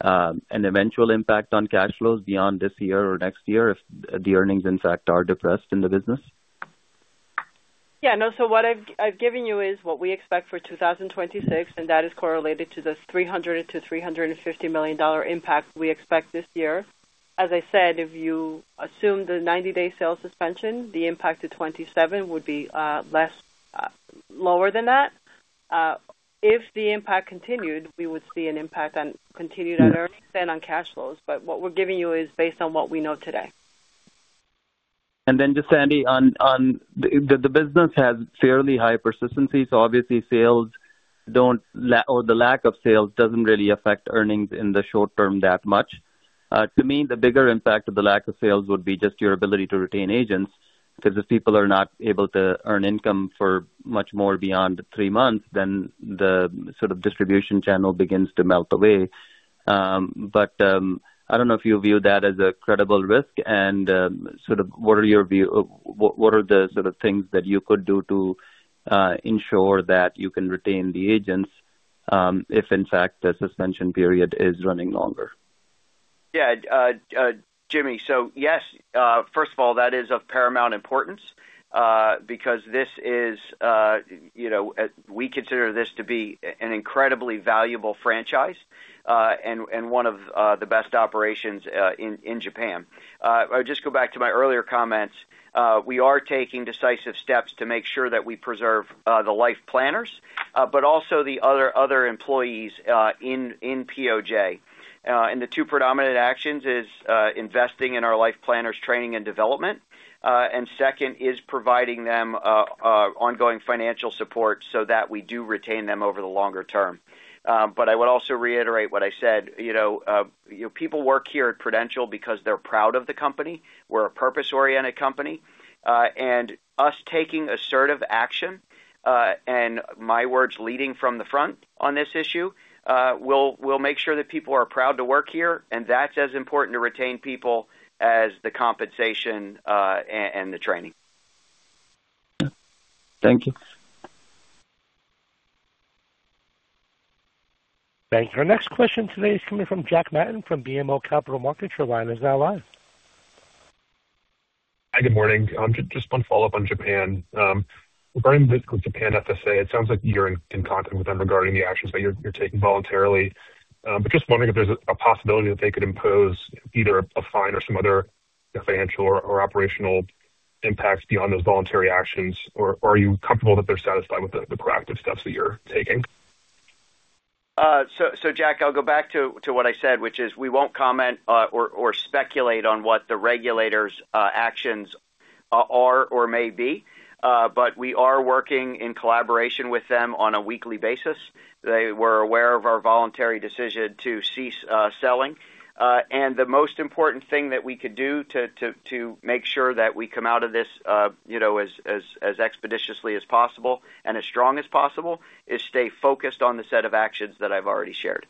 an eventual impact on cash flows beyond this year or next year if the earnings, in fact, are depressed in the business? Yeah, no. So what I've given you is what we expect for 2026, and that is correlated to the $300 million-$350 million impact we expect this year. As I said, if you assume the 90-day sales suspension, the impact to 2027 would be less, lower than that. If the impact continued, we would see an impact on continued at an extent on cash flows. But what we're giving you is based on what we know today. Just, Andy, on the business has fairly high persistency, so obviously sales don't lag or the lack of sales doesn't really affect earnings in the short term that much. To me, the bigger impact of the lack of sales would be just your ability to retain agents, because if people are not able to earn income for much more beyond three months, then the sort of distribution channel begins to melt away. I don't know if you view that as a credible risk and, sort of, what are your view of... what are the sort of things that you could do to ensure that you can retain the agents, if in fact, the suspension period is running longer? Yeah. Jimmy. So yes, first of all, that is of paramount importance, because this is, you know, we consider this to be an incredibly valuable franchise, and one of the best operations in Japan. I would just go back to my earlier comments. We are taking decisive steps to make sure that we preserve the life planners, but also the other employees in POJ. And the two predominant actions is investing in our life planners training and development. And second is providing them ongoing financial support so that we do retain them over the longer term. But I would also reiterate what I said. You know, people work here at Prudential because they're proud of the company. We're a purpose-oriented company, and us taking assertive action, and my words, leading from the front on this issue, we'll make sure that people are proud to work here, and that's as important to retain people as the compensation and the training. Thank you. Thank you. Our next question today is coming from Jack Matten from BMO Capital Markets. Your line is now live. Hi, good morning. Just one follow-up on Japan. Regarding with Japan FSA, it sounds like you're in contact with them regarding the actions that you're taking voluntarily. But just wondering if there's a possibility that they could impose either a fine or some other financial or operational impacts beyond those voluntary actions, or are you comfortable that they're satisfied with the proactive steps that you're taking? So, Jack, I'll go back to what I said, which is we won't comment or speculate on what the regulators' actions are or may be, but we are working in collaboration with them on a weekly basis. They were aware of our voluntary decision to cease selling. And the most important thing that we could do to make sure that we come out of this, you know, as expeditiously as possible and as strong as possible, is stay focused on the set of actions that I've already shared.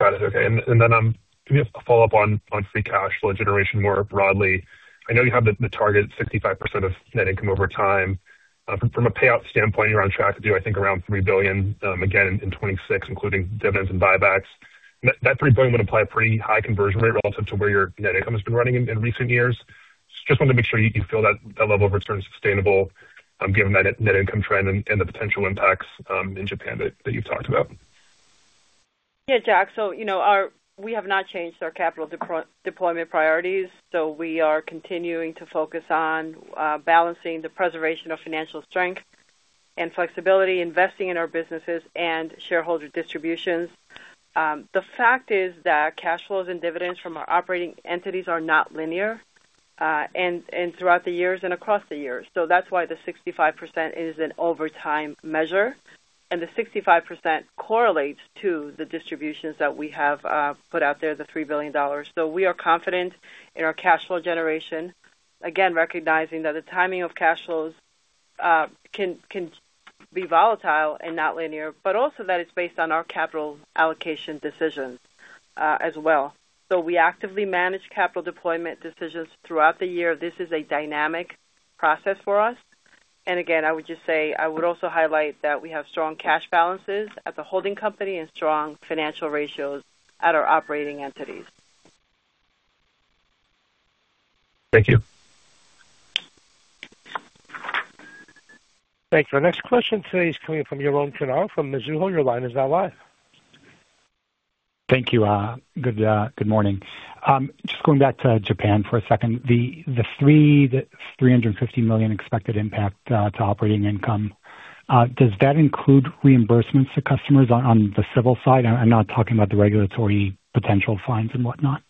Got it. Okay, and then, can we have a follow-up on free cash flow generation more broadly? I know you have the target 65% of net income over time. From a payout standpoint, you're on track to do, I think, around $3 billion, again, in 2026, including dividends and buybacks. That $3 billion would apply a pretty high conversion rate relative to where your net income has been running in recent years. Just wanted to make sure you feel that that level of return is sustainable, given that net income trend and the potential impacts in Japan that you've talked about. Yeah, Jack. So you know, we have not changed our capital deployment priorities, so we are continuing to focus on balancing the preservation of financial strength and flexibility, investing in our businesses and shareholder distributions. The fact is that cash flows and dividends from our operating entities are not linear and throughout the years and across the years. So that's why the 65% is an overtime measure, and the 65% correlates to the distributions that we have put out there, the $3 billion. So we are confident in our cash flow generation. Again, recognizing that the timing of cash flows can be volatile and not linear, but also that it's based on our capital allocation decisions as well. So we actively manage capital deployment decisions throughout the year. This is a dynamic process for us. And again, I would just say, I would also highlight that we have strong cash balances at the holding company and strong financial ratios at our operating entities. Thank you. Thank you. Our next question today is coming from Yaron Kinar from Mizuho. Your line is now live. Thank you. Good morning. Just going back to Japan for a second, the $350 million expected impact to operating income, does that include reimbursements to customers on the civil side? I'm not talking about the regulatory potential fines and whatnot.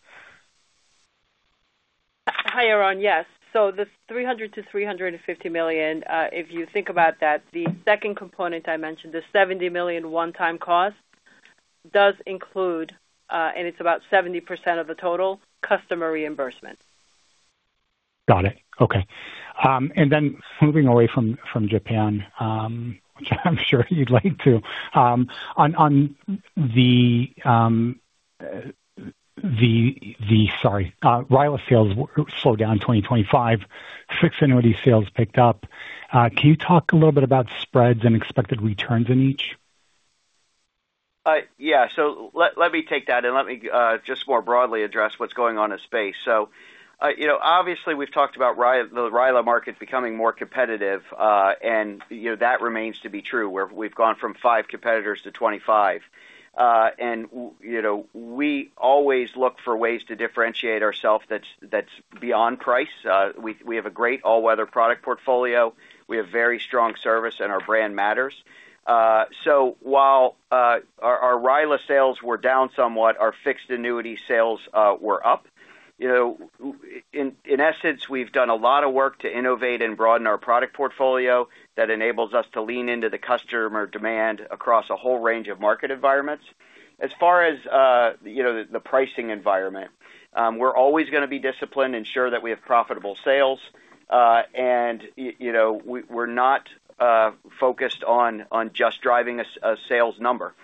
Hi, Yaron. Yes, so the $300 million-$350 million, if you think about that, the second component I mentioned, the $70 million one-time cost, does include, and it's about 70% of the total customer reimbursement. Got it. Okay. And then moving away from Japan, which I'm sure you'd like to, RILA sales slowed down in 2025, fixed annuity sales picked up. Can you talk a little bit about spreads and expected returns in each? Yeah. So let me take that, and let me just more broadly address what's going on in space. So, you know, obviously, we've talked about the RILA market becoming more competitive, and, you know, that remains to be true, where we've gone from five competitors to 25. And, you know, we always look for ways to differentiate ourselves that's beyond price. We have a great all-weather product portfolio. We have very strong service, and our brand matters. So while our RILA sales were down somewhat, our fixed annuity sales were up. You know, in essence, we've done a lot of work to innovate and broaden our product portfolio that enables us to lean into the customer demand across a whole range of market environments. As far as, you know, the pricing environment, we're always going to be disciplined, ensure that we have profitable sales, and, you know, we're not focused on just driving a sales number.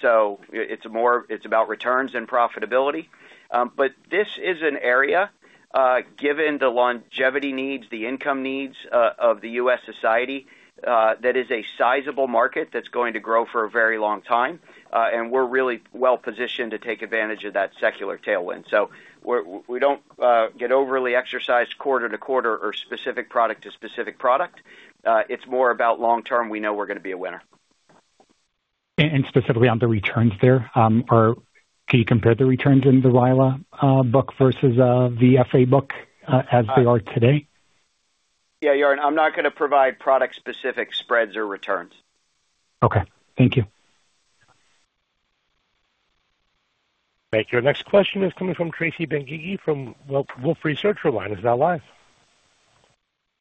So it's more, it's about returns and profitability. But this is an area, given the longevity needs, the income needs of the U.S. society, that is a sizable market that's going to grow for a very long time, and we're really well positioned to take advantage of that secular tailwind. So we're, we don't get overly exercised quarter to quarter or specific product to specific product. It's more about long term. We know we're going to be a winner. Specifically on the returns there, or can you compare the returns in the RILA book versus the FA book as they are today? Yeah. Yaron, I'm not going to provide product-specific spreads or returns. Okay, thank you. Thank you. Our next question is coming from Tracy Benguigui from Wolfe Research. Your line is now live.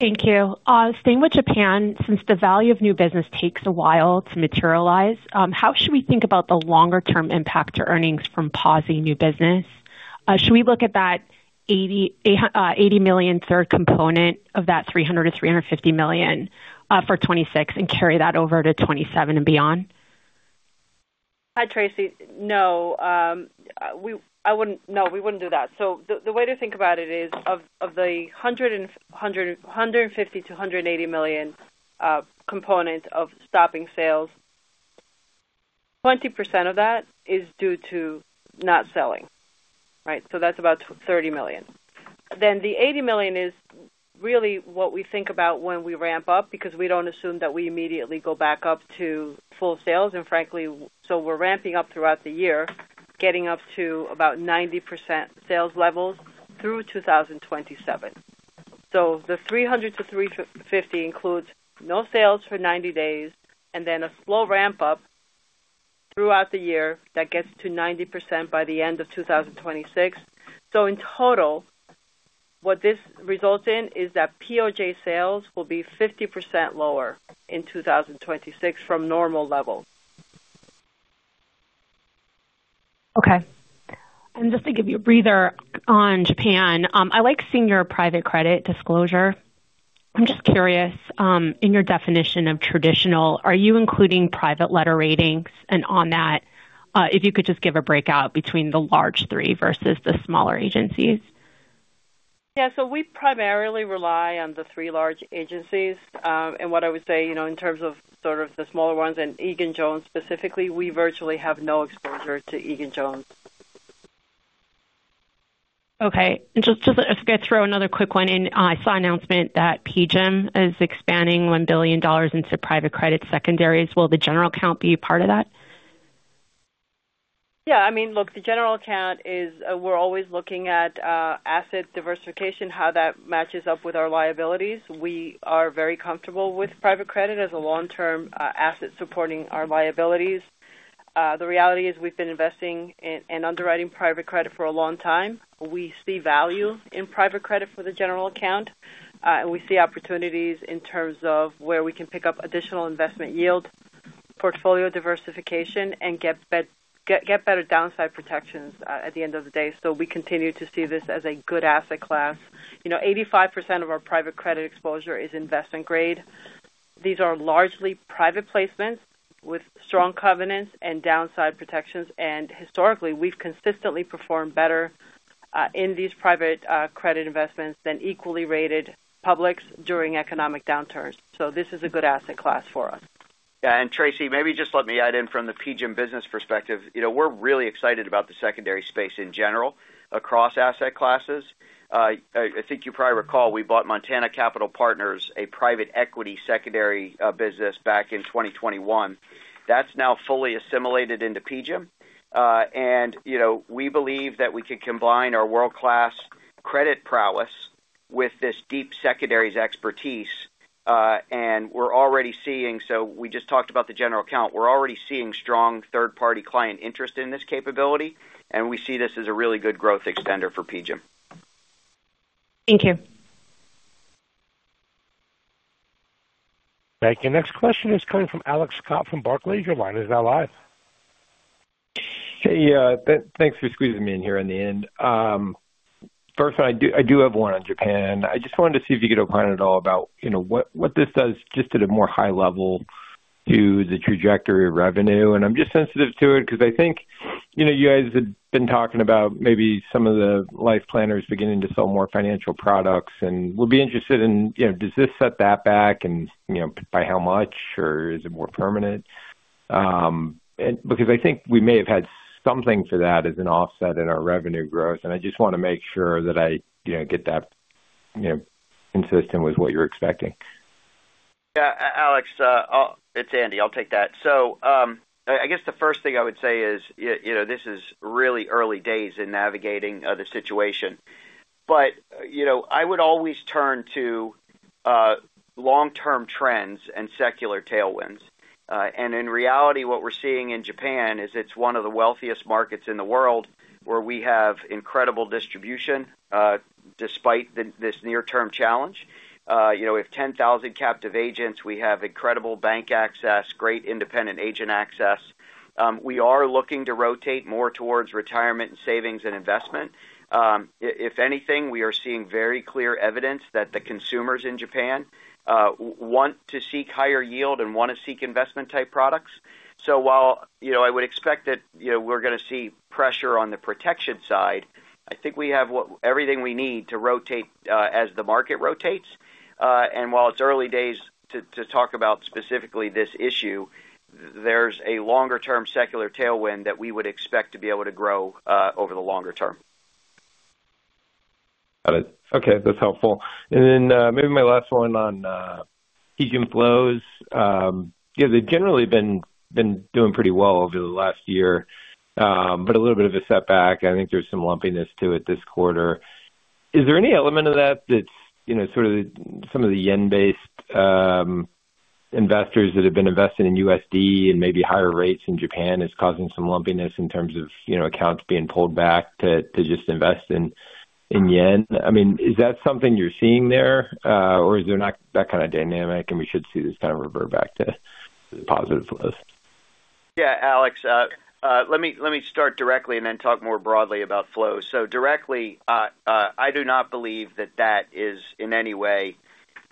Thank you. Staying with Japan, since the value of new business takes a while to materialize, how should we think about the longer-term impact to earnings from pausing new business? Should we look at that $80 million third component of that $300 million-$350 million, for 2026 and carry that over to 2027 and beyond? Hi, Tracy. No, I wouldn't... No, we wouldn't do that. So the way to think about it is, of the $150 million-$180 million component of stopping sales, 20% of that is due to not selling, right? So that's about $30 million. Then the $80 million is really what we think about when we ramp up, because we don't assume that we immediately go back up to full sales. And frankly, so we're ramping up throughout the year, getting up to about 90% sales levels through 2027. So the $300 million-$350 million includes no sales for 90 days and then a slow ramp-up throughout the year that gets to 90% by the end of 2026. In total, what this results in is that POJ sales will be 50% lower in 2026 from normal levels. Okay. And just to give you a breather on Japan, I like seeing your private credit disclosure. I'm just curious, in your definition of traditional, are you including private letter ratings? And on that, if you could just give a breakout between the large three versus the smaller agencies. Yeah. So we primarily rely on the three large agencies. And what I would say, you know, in terms of sort of the smaller ones, and Egan-Jones specifically, we virtually have no exposure to Egan-Jones. Okay. And just, just if I could throw another quick one in. I saw an announcement that PGIM is expanding $1 billion into private credit secondaries. Will the general account be a part of that? Yeah. I mean, look, the general account is, we're always looking at asset diversification, how that matches up with our liabilities. We are very comfortable with private credit as a long-term asset supporting our liabilities. The reality is we've been investing in and underwriting private credit for a long time. We see value in private credit for the general account, and we see opportunities in terms of where we can pick up additional investment yield, portfolio diversification, and get better downside protections at the end of the day. So we continue to see this as a good asset class. You know, 85% of our private credit exposure is investment grade. These are largely private placements with strong covenants and downside protections, and historically, we've consistently performed better, in these private, credit investments than equally rated publics during economic downturns. So this is a good asset class for us. Yeah, and Tracy, maybe just let me add in from the PGIM business perspective. You know, we're really excited about the secondary space in general, across asset classes. I think you probably recall we bought Montana Capital Partners, a private equity secondary business, back in 2021. That's now fully assimilated into PGIM. And, you know, we believe that we can combine our world-class credit prowess with this deep secondaries' expertise, and we're already seeing... So we just talked about the general account. We're already seeing strong third-party client interest in this capability, and we see this as a really good growth extender for PGIM. Thank you. Thank you. Next question is coming from Alex Scott from Barclays. Your line is now live. Hey, thanks for squeezing me in here in the end. First, I have one on Japan. I just wanted to see if you could opine at all about, you know, what this does, just at a more high level, to the trajectory of revenue. And I'm just sensitive to it because I think, you know, you guys have been talking about maybe some of the life planners beginning to sell more financial products, and we'll be interested in, you know, does this set that back? And, you know, by how much, or is it more permanent? And because I think we may have had something to that as an offset in our revenue growth, and I just want to make sure that I, you know, get that consistent with what you're expecting. Yeah. Alex, it's Andy. I'll take that. So, I guess the first thing I would say is, you know, this is really early days in navigating the situation, but, you know, I would always turn to long-term trends and secular tailwinds. And in reality, what we're seeing in Japan is it's one of the wealthiest markets in the world, where we have incredible distribution, despite this near-term challenge. You know, we have 10,000 captive agents. We have incredible bank access, great independent agent access. We are looking to rotate more towards retirement, and savings, and investment. If anything, we are seeing very clear evidence that the consumers in Japan want to seek higher yield and want to seek investment-type products. So while, you know, I would expect that, you know, we're going to see pressure on the protection side, I think we have everything we need to rotate as the market rotates. And while it's early days to talk about specifically this issue, there's a longer-term secular tailwind that we would expect to be able to grow over the longer term. Got it. Okay, that's helpful. And then, maybe my last one on PGIM flows. Yeah, they've generally been, been doing pretty well over the last year, but a little bit of a setback. I think there's some lumpiness to it this quarter. Is there any element of that, that's, you know, sort of some of the yen-based investors that have been invested in USD and maybe higher rates in Japan is causing some lumpiness in terms of, you know, accounts being pulled back to, to just invest in, in yen? I mean, is that something you're seeing there, or is there not that kind of dynamic and we should see this kind of revert back to positive flows? Yeah. Alex, let me start directly and then talk more broadly about flows. So directly, I do not believe that that is in any way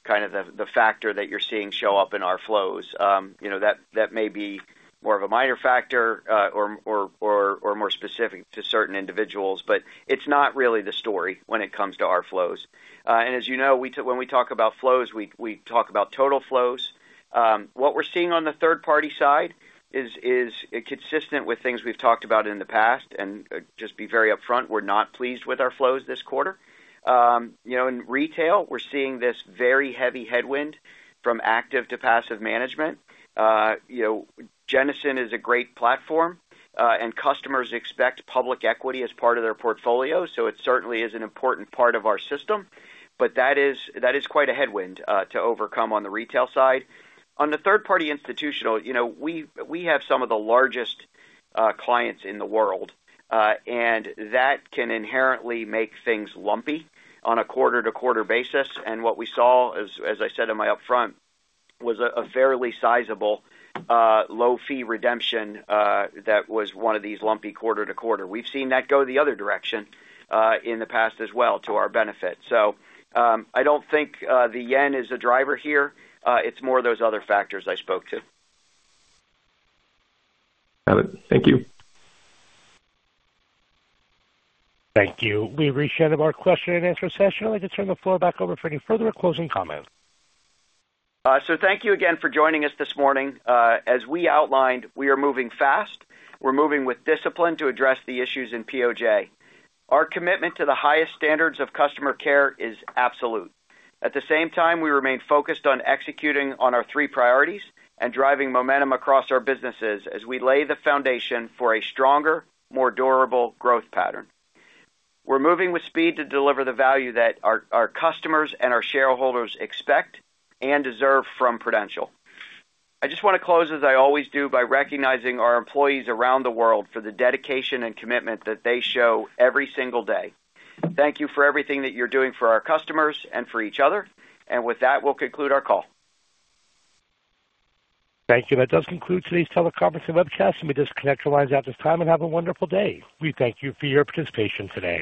kind of the factor that you're seeing show up in our flows. You know, that may be more of a minor factor, or more specific to certain individuals, but it's not really the story when it comes to our flows. And as you know, when we talk about flows, we talk about total flows. What we're seeing on the third-party side is consistent with things we've talked about in the past, and just be very upfront, we're not pleased with our flows this quarter. You know, in retail, we're seeing this very heavy headwind from active to passive management. You know, Jennison is a great platform, and customers expect public equity as part of their portfolio, so it certainly is an important part of our system. But that is, that is quite a headwind to overcome on the retail side. On the third-party institutional, you know, we, we have some of the largest clients in the world, and that can inherently make things lumpy on a quarter-to-quarter basis. And what we saw, as, as I said in my upfront, was a, a fairly sizable low-fee redemption that was one of these lumpy quarter-to-quarter. We've seen that go the other direction in the past as well to our benefit. So, I don't think the yen is the driver here. It's more of those other factors I spoke to. Got it. Thank you. Thank you. We've reached the end of our question-and-answer session. I'd like to turn the floor back over for any further closing comments. Thank you again for joining us this morning. As we outlined, we are moving fast. We're moving with discipline to address the issues in POJ. Our commitment to the highest standards of customer care is absolute. At the same time, we remain focused on executing on our three priorities and driving momentum across our businesses as we lay the foundation for a stronger, more durable growth pattern. We're moving with speed to deliver the value that our, our customers and our shareholders expect and deserve from Prudential. I just want to close, as I always do, by recognizing our employees around the world for the dedication and commitment that they show every single day. Thank you for everything that you're doing for our customers and for each other. With that, we'll conclude our call. Thank you. That does conclude today's teleconference and webcast. You may disconnect your lines at this time and have a wonderful day. We thank you for your participation today.